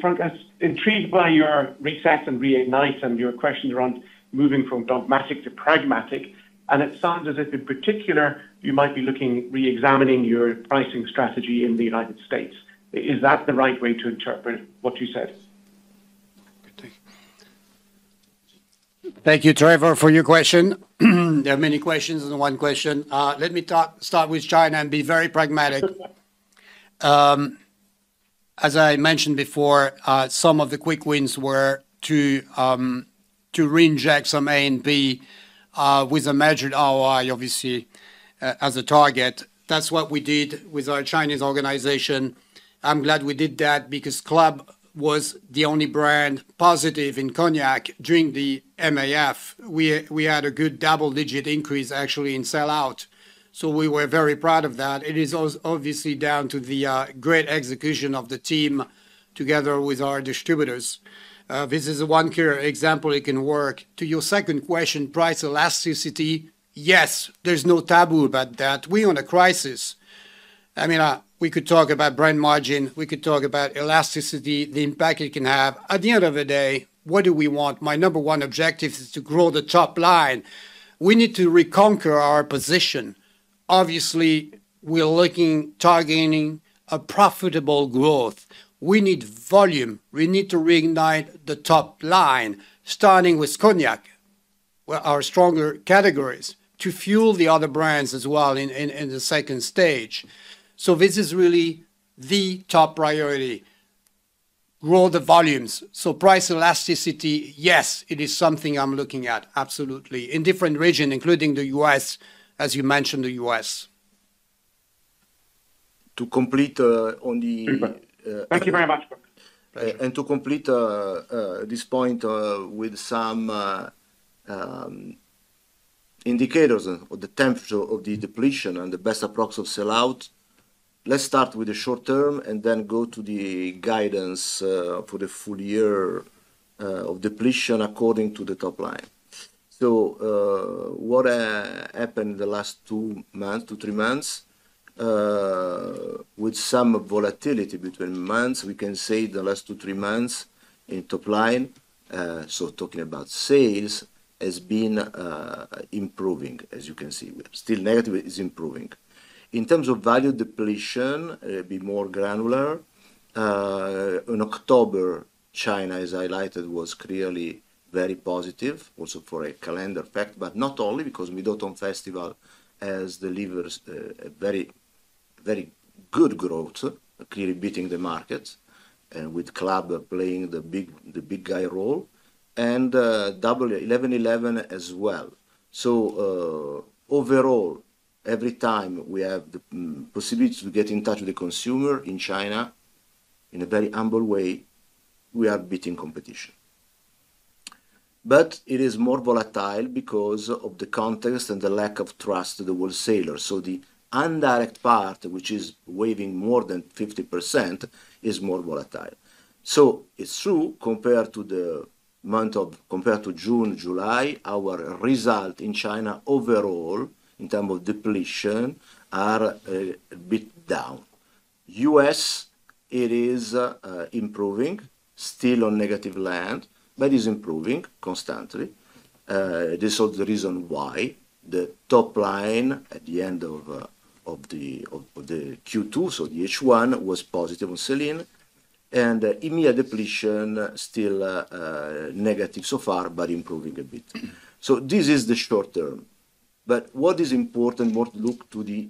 Franck, I'm intrigued by your reset and reignite and your questions around moving from dogmatic to pragmatic. It sounds as if, in particular, you might be looking, reexamining your pricing strategy in the United States. Is that the right way to interpret what you said? Thank you, Trevor, for your question. There are many questions and one question. Let me start with China and be very pragmatic. As I mentioned before, some of the quick wins were to reinject some A&P with a measured ROI, obviously, as a target. That's what we did with our Chinese organization. I'm glad we did that because Club was the only brand positive in Cognac during the MAF. We had a good double-digit increase, actually, in sell-out. We were very proud of that. It is obviously down to the great execution of the team together with our distributors. This is one clear example it can work. To your second question, price elasticity, yes, there's no taboo about that. We're in a crisis. I mean, we could talk about brand margin. We could talk about elasticity, the impact it can have. At the end of the day, what do we want? My number one objective is to grow the top line. We need to reconquer our position. Obviously, we're looking, targeting a profitable growth. We need volume. We need to reignite the top line, starting with Cognac, our stronger categories, to fuel the other brands as well in the second stage. This is really the top priority: grow the volumes. Price elasticity, yes, it is something I'm looking at, absolutely, in different regions, including the U.S., as you mentioned, the U.S. To complete on the. Thank you very much, Franck. To complete this point with some indicators of the temperature of the depletion and the best approach of sell-out, let's start with the short term and then go to the guidance for the full year of depletion according to the top line. What happened in the last two months to three months, with some volatility between months, we can say the last two, three months in top line, talking about sales, has been improving, as you can see. Still negative, it's improving. In terms of value depletion, to be more granular, in October, China, as I liked it, was clearly very positive, also for a calendar effect, but not only because Mid-Autumn Festival has delivered a very, very good growth, clearly beating the markets and with Club playing the big guy role and 11/11 as well. Overall, every time we have the possibility to get in touch with the consumer in China in a very humble way, we are beating competition. It is more volatile because of the context and the lack of trust of the wholesalers. The indirect part, which is weighing more than 50%, is more volatile. It is true compared to the month of, compared to June, July, our result in China overall in terms of depletion is a bit down. U.S., it is improving, still on negative land, but it is improving constantly. This is the reason why the top line at the end of Q2, so the H1, was positive on Céline, and immediate depletion is still negative so far, but improving a bit. This is the short term. What is important is to look to the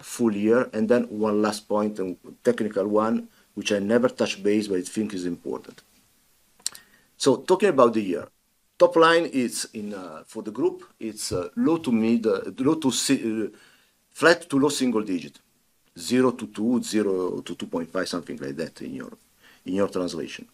full year. One last point, a technical one, which I never touched base, but I think is important. Talking about the year, top line for the group, it's low to mid low to flat to low single digit, 0-2, 0-2.5, something like that in your translation.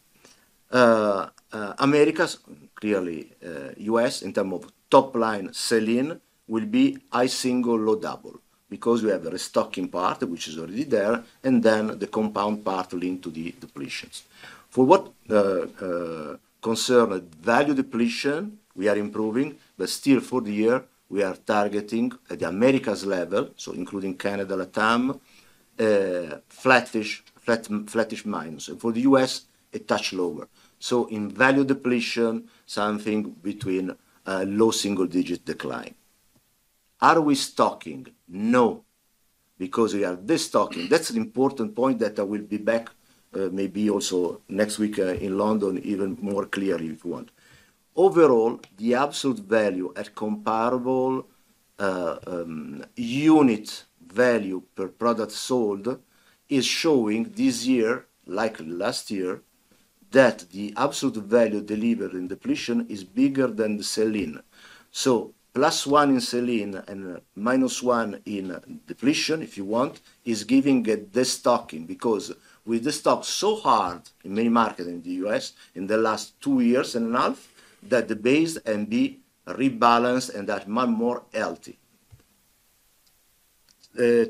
Americas, clearly U.S., in terms of top line, Céline will be high single, low double because we have a restocking part, which is already there, and then the compound part linked to the depletions. For what concerns value depletion, we are improving, but still for the year, we are targeting at the Americas level, so including Canada, Latam, flatish minus. For the U.S., a touch lower. In value depletion, something between low single digit decline. Are we stocking? No. Because we are destocking. That's an important point that I will be back maybe also next week in London even more clearly if you want. Overall, the absolute value at comparable unit value per product sold is showing this year, like last year, that the absolute value delivered in depletion is bigger than the Céline. Plus one in Céline and minus one in depletion, if you want, is giving a destocking because we destocked so hard in many markets in the U.S. in the last two years and a half that the base can be rebalanced and that's much more healthy.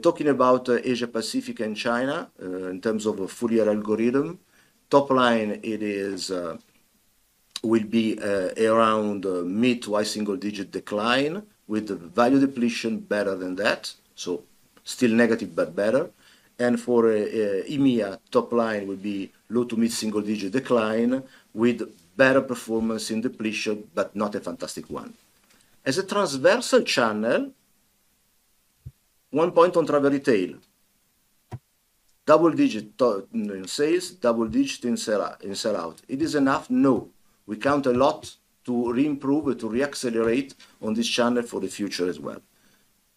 Talking about Asia-Pacific and China in terms of a full year algorithm, top line will be around mid to high single digit decline with value depletion better than that. Still negative, but better. For EMEA, top line will be low to mid single digit decline with better performance in depletion, but not a fantastic one. As a transversal channel, one point on travel retail. Double digit in sales, double digit in sell-out. It is enough? No. We count a lot to re-improve and to re-accelerate on this channel for the future as well.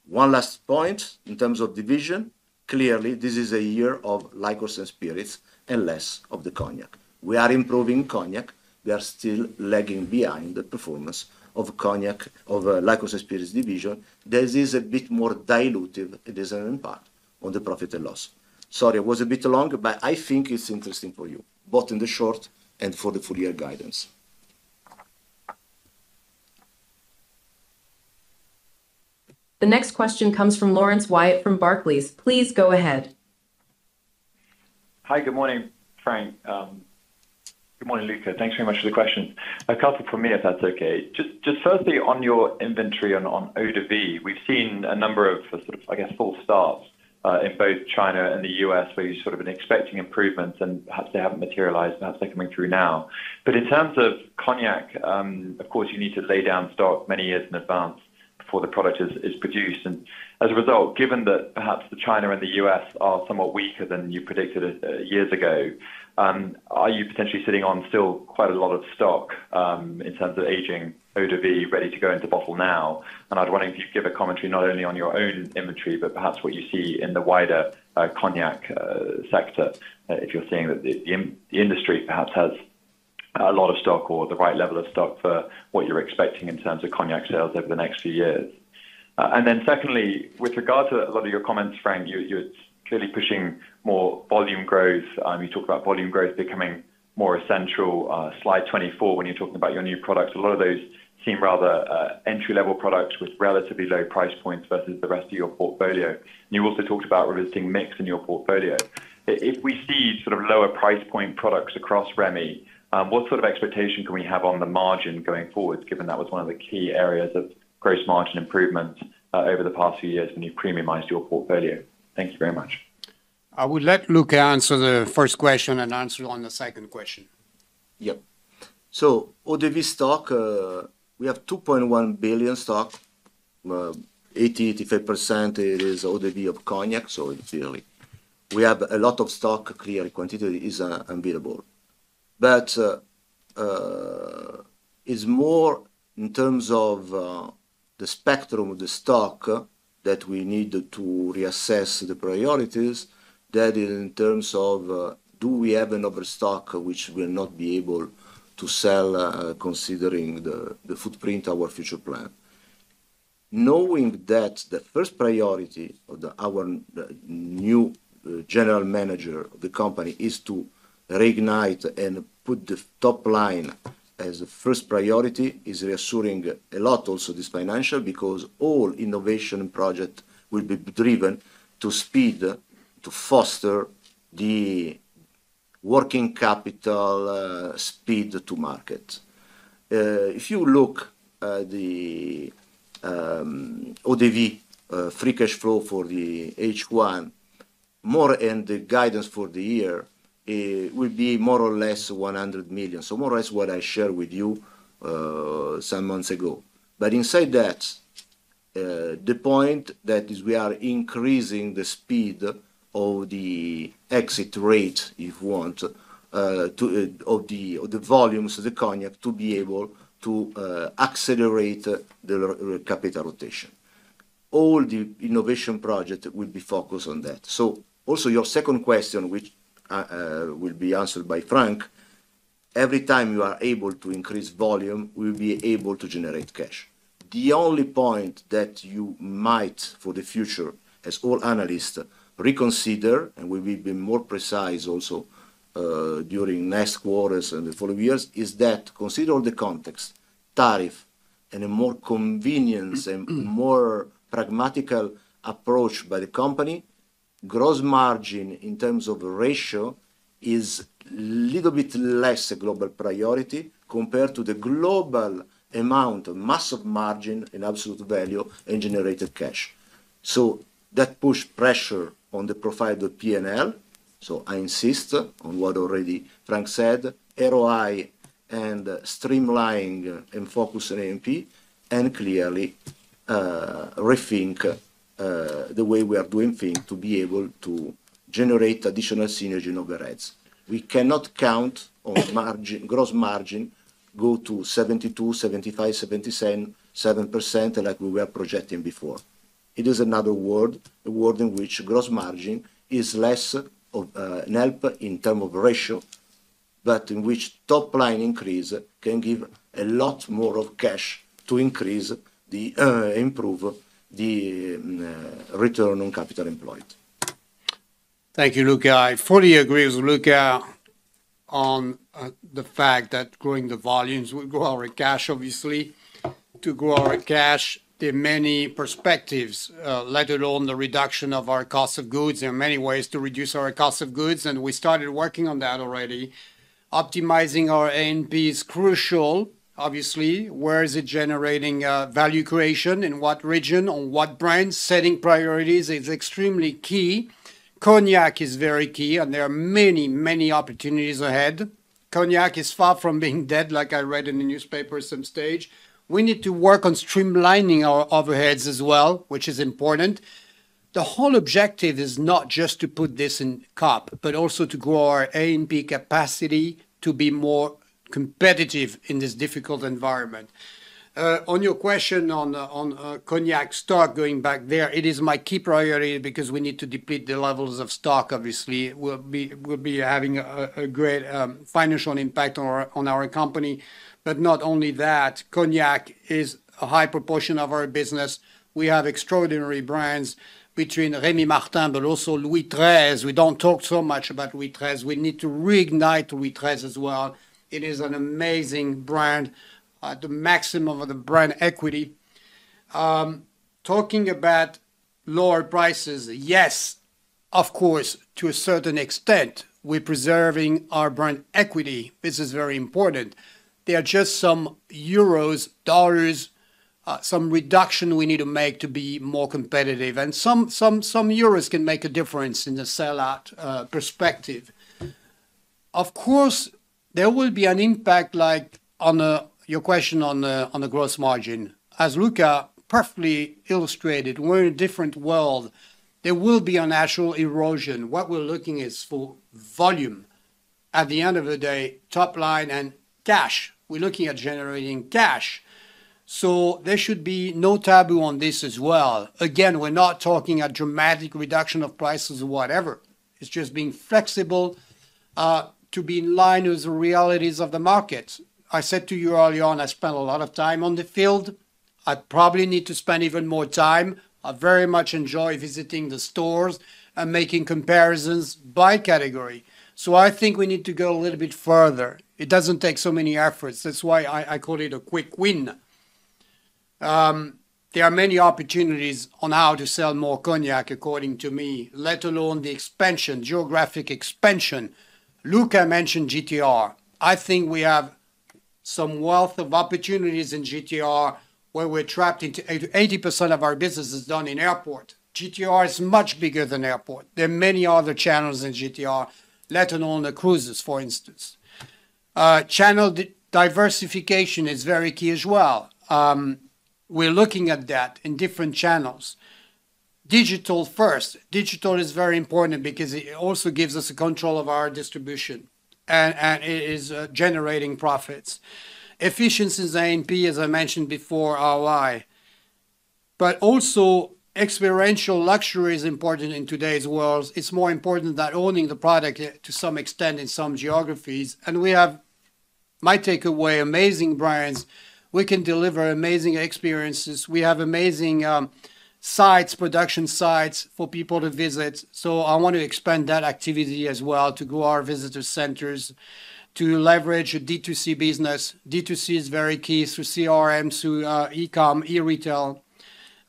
One last point in terms of division, clearly, this is a year of Liqueurs and Spirits and less of the Cognac. We are improving Cognac. We are still lagging behind the performance of Cognac of Liqueurs and Spirits division. This is a bit more dilutive. It is an impact on the profit and loss. Sorry, I was a bit long, but I think it's interesting for you, both in the short and for the full year guidance. The next question comes from Laurence Whyatt from Barclays. Please go ahead. Hi, good morning, Franck. Good morning, Luca. Thanks very much for the question. A couple for me, if that's okay. Just firstly, on your inventory on eau de vie, we've seen a number of sort of, I guess, false starts in both China and the U.S. where you sort of been expecting improvements, and perhaps they haven't materialized. Perhaps they're coming through now. In terms of Cognac, of course, you need to lay down stock many years in advance before the product is produced. As a result, given that perhaps China and the U.S. are somewhat weaker than you predicted years ago, are you potentially sitting on still quite a lot of stock in terms of aging eau de vie ready to go into bottle now? I wonder if you'd give a commentary not only on your own inventory, but perhaps what you see in the wider Cognac sector, if you're seeing that the industry perhaps has a lot of stock or the right level of stock for what you're expecting in terms of Cognac sales over the next few years. Secondly, with regard to a lot of your comments, Franck, you're clearly pushing more volume growth. You talk about volume growth becoming more essential. Slide 24, when you're talking about your new products, a lot of those seem rather entry-level products with relatively low price points versus the rest of your portfolio. You also talked about revisiting mix in your portfolio. If we see sort of lower price point products across Rémy, what sort of expectation can we have on the margin going forward, given that was one of the key areas of gross margin improvement over the past few years when you premiumized your portfolio? Thank you very much. I would let Luca answer the first question and answer on the second question. Yep. Eau de vie stock, we have 2.1 billion stock. 80%-85% is eau de vie of Cognac, so it's clearly. We have a lot of stock, clearly quantity is unbeatable. It is more in terms of the spectrum of the stock that we need to reassess the priorities than in terms of do we have an overstock which we'll not be able to sell considering the footprint, our future plan. Knowing that the first priority of our new General Manager of the company is to reignite and put the top line as the first priority is reassuring a lot also this financial because all innovation projects will be driven to speed, to foster the working capital speed to market. If you look at the eau de vie free cash flow for the H1, more and the guidance for the year will be more or less 100 million. More or less what I shared with you some months ago. Inside that, the point is we are increasing the speed of the exit rate, if you want, of the volumes of the Cognac to be able to accelerate the capital rotation. All the innovation projects will be focused on that. Also, your second question, which will be answered by Franck, every time you are able to increase volume, we will be able to generate cash. The only point that you might, for the future, as all analysts, reconsider, and we will be more precise also during next quarters and the following years, is that considering all the context, tariff, and a more convenient and more pragmatic approach by the company. Gross margin in terms of ratio is a little bit less a global priority compared to the global amount of massive margin in absolute value and generated cash. That puts pressure on the profile of the P&L. I insist on what already Franck said, ROI and streamlining and focus on A&P and clearly rethink the way we are doing things to be able to generate additional synergy in overheads. We cannot count on gross margin go to 72%, 75%, 77% like we were projecting before. It is another world, a world in which gross margin is less of a help in terms of ratio, but in which top line increase can give a lot more of cash to increase the improve the return on capital employed. Thank you, Luca. I fully agree with Luca on the fact that growing the volumes will grow our cash, obviously. To grow our cash, there are many perspectives, let alone the reduction of our cost of goods. There are many ways to reduce our cost of goods, and we started working on that already. Optimizing our A&P is crucial, obviously. Where is it generating value creation? In what region? On what brands? Setting priorities is extremely key. Cognac is very key, and there are many, many opportunities ahead. Cognac is far from being dead, like I read in the newspaper at some stage. We need to work on streamlining our overheads as well, which is important. The whole objective is not just to put this in cap, but also to grow our A&P capacity to be more competitive in this difficult environment. On your question on Cognac stock, going back there, it is my key priority because we need to deplete the levels of stock, obviously. We will be having a great financial impact on our company. Not only that, Cognac is a high proportion of our business. We have extraordinary brands between Rémy Martin, but also Louis XIII. We do not talk so much about Louis XIII. We need to reignite Louis XIII as well. It is an amazing brand, the maximum of the brand equity. Talking about lower prices, yes, of course, to a certain extent, we are preserving our brand equity. This is very important. There are just some euros, dollars, some reduction we need to make to be more competitive. Some euros can make a difference in the sell-out perspective. Of course, there will be an impact like on your question on the gross margin. As Luca perfectly illustrated, we're in a different world. There will be a natural erosion. What we're looking at is for volume. At the end of the day, top line and cash. We're looking at generating cash. There should be no taboo on this as well. Again, we're not talking a dramatic reduction of prices or whatever. It's just being flexible to be in line with the realities of the market. I said to you early on, I spent a lot of time on the field. I probably need to spend even more time. I very much enjoy visiting the stores and making comparisons by category. I think we need to go a little bit further. It doesn't take so many efforts. That's why I call it a quick win. There are many opportunities on how to sell more Cognac, according to me, let alone the expansion, geographic expansion. Luca mentioned GTR. I think we have some wealth of opportunities in GTR where we're trapped into 80% of our business is done in airport. GTR is much bigger than airport. There are many other channels in GTR, let alone the cruises, for instance. Channel diversification is very key as well. We're looking at that in different channels. Digital first. Digital is very important because it also gives us control of our distribution and it is generating profits. Efficiency in A&P, as I mentioned before, ROI. Also experiential luxury is important in today's world. It's more important than owning the product to some extent in some geographies. We have, my takeaway, amazing brands. We can deliver amazing experiences. We have amazing sites, production sites for people to visit. I want to expand that activity as well to grow our visitor centers, to leverage a D2C business. D2C is very key through CRM, through e-comm, e-retail.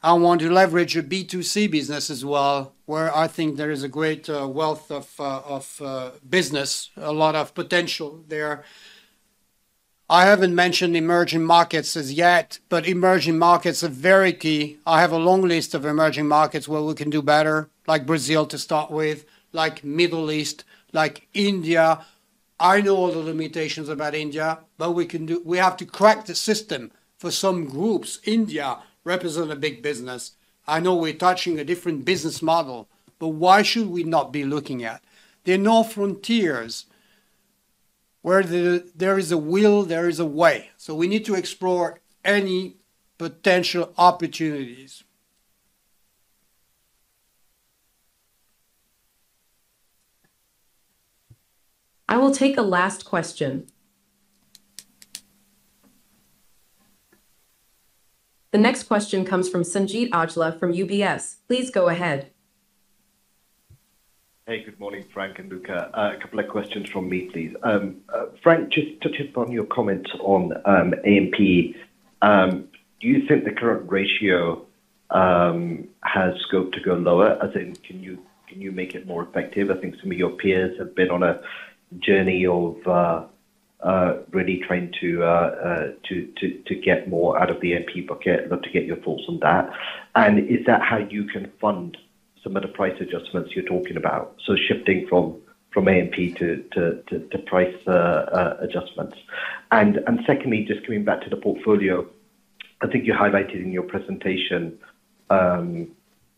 I want to leverage a B2C business as well, where I think there is a great wealth of business, a lot of potential there. I haven't mentioned emerging markets as yet, but emerging markets are very key. I have a long list of emerging markets where we can do better, like Brazil to start with, like Middle East, like India. I know all the limitations about India, but we have to crack the system for some groups. India represents a big business. I know we're touching a different business model, but why should we not be looking at it? There are no frontiers. Where there is a will, there is a way. We need to explore any potential opportunities. I will take a last question. The next question comes from Sanjeet Aujla from UBS. Please go ahead. Hey, good morning, Franck and Luca. A couple of questions from me, please. Franck, just touching upon your comments on A&P, do you think the current ratio has scope to go lower? As in, can you make it more effective? I think some of your peers have been on a journey of really trying to get more out of the A&P bucket, to get your thoughts on that. Is that how you can fund some of the price adjustments you're talking about? Shifting from A&P to price adjustments. Secondly, just coming back to the portfolio, I think you highlighted in your presentation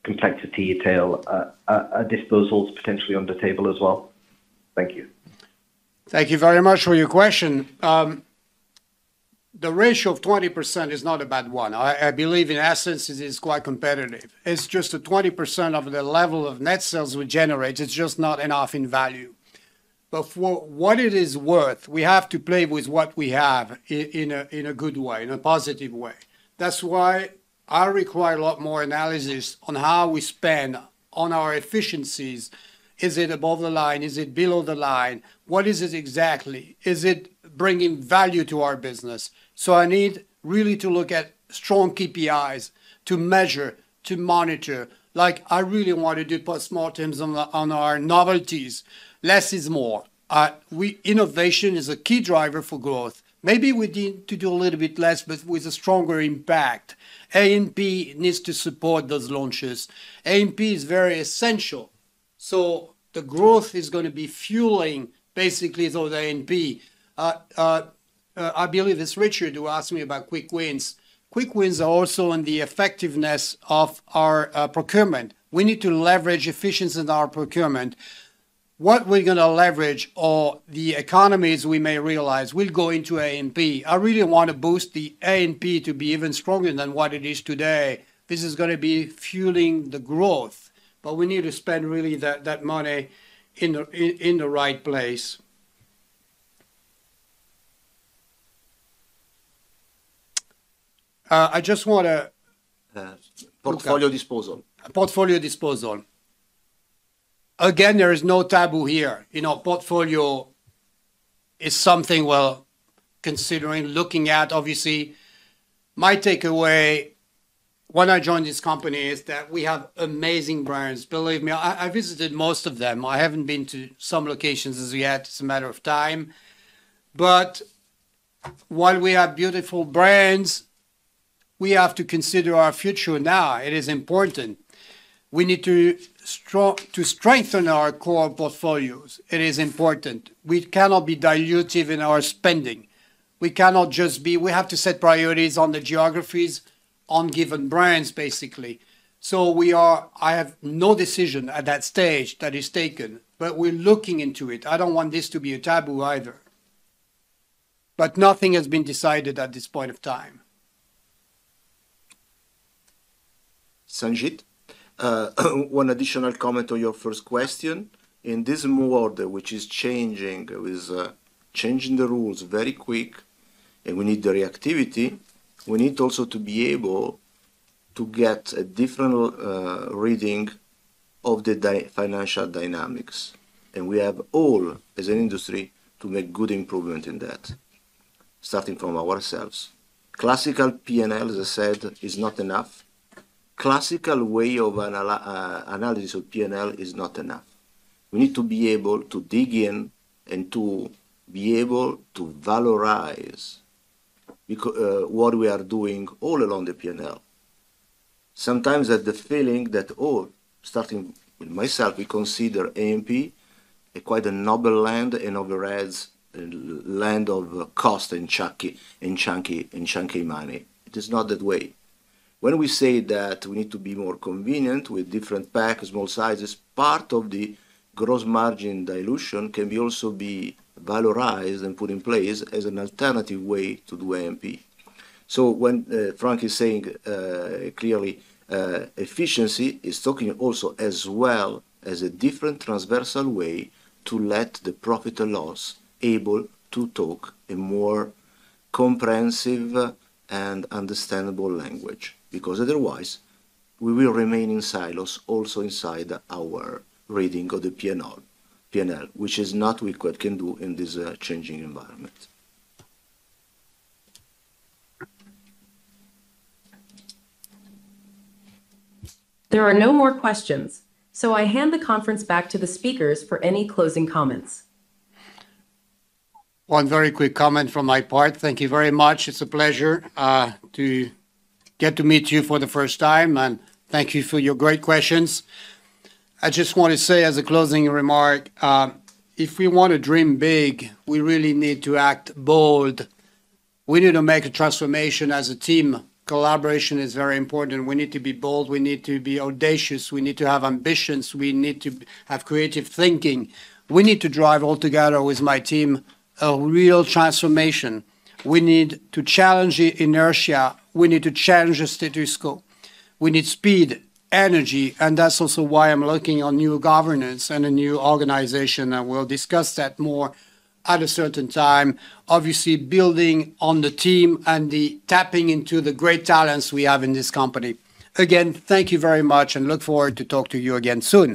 complexity to have disposals potentially on the table as well. Thank you. Thank you very much for your question. The ratio of 20% is not a bad one. I believe in essence, it is quite competitive. It's just the 20% of the level of net sales we generate. It's just not enough in value. For what it is worth, we have to play with what we have in a good way, in a positive way. That's why I require a lot more analysis on how we spend on our efficiencies. Is it above the line? Is it below the line? What is it exactly? Is it bringing value to our business? I need really to look at strong KPIs to measure, to monitor. Like I really want to do postmortems on our novelties. Less is more. Innovation is a key driver for growth. Maybe we need to do a little bit less, but with a stronger impact. A&P needs to support those launches. A&P is very essential. The growth is going to be fueling basically those A&P. I believe it's Richard who asked me about quick wins. Quick wins are also on the effectiveness of our procurement. We need to leverage efficiency in our procurement. What we're going to leverage or the economies we may realize will go into A&P. I really want to boost the A&P to be even stronger than what it is today. This is going to be fueling the growth, but we need to spend really that money in the right place. I just want to. Portfolio disposal. Portfolio disposal. Again, there is no taboo here. Portfolio is something we're considering, looking at, obviously. My takeaway when I joined this company is that we have amazing brands. Believe me, I visited most of them. I haven't been to some locations as yet. It's a matter of time. While we have beautiful brands, we have to consider our future now. It is important. We need to strengthen our core portfolios. It is important. We cannot be dilutive in our spending. We cannot just be; we have to set priorities on the geographies, on given brands, basically. I have no decision at that stage that is taken, but we're looking into it. I don't want this to be a taboo either. Nothing has been decided at this point of time. Sanjeet, one additional comment on your first question. In this new order, which is changing with changing the rules very quick, and we need the reactivity, we need also to be able to get a different reading of the financial dynamics. We have all, as an industry, to make good improvement in that, starting from ourselves. Classical P&L, as I said, is not enough. Classical way of analysis of P&L is not enough. We need to be able to dig in and to be able to valorize what we are doing all along the P&L. Sometimes there is the feeling that, oh, starting with myself, we consider A&P quite a noble land and overheads land of cost and chunky money. It is not that way. When we say that we need to be more convenient with different pack, small sizes, part of the gross margin dilution can also be valorized and put in place as an alternative way to do A&P. When Franck is saying clearly, efficiency is talking also as well as a different transversal way to let the profit or loss able to talk a more comprehensive and understandable language. Because otherwise, we will remain in silos, also inside our reading of the P&L, which is not what we can do in this changing environment. There are no more questions. I hand the conference back to the speakers for any closing comments. One very quick comment from my part. Thank you very much. It's a pleasure to get to meet you for the first time. Thank you for your great questions. I just want to say as a closing remark, if we want to dream big, we really need to act bold. We need to make a transformation as a team. Collaboration is very important. We need to be bold. We need to be audacious. We need to have ambitions. We need to have creative thinking. We need to drive all together with my team a real transformation. We need to challenge inertia. We need to challenge the status quo. We need speed, energy. That is also why I'm looking on new governance and a new organization. We will discuss that more at a certain time. Obviously, building on the team and tapping into the great talents we have in this company. Again, thank you very much and look forward to talking to you again soon.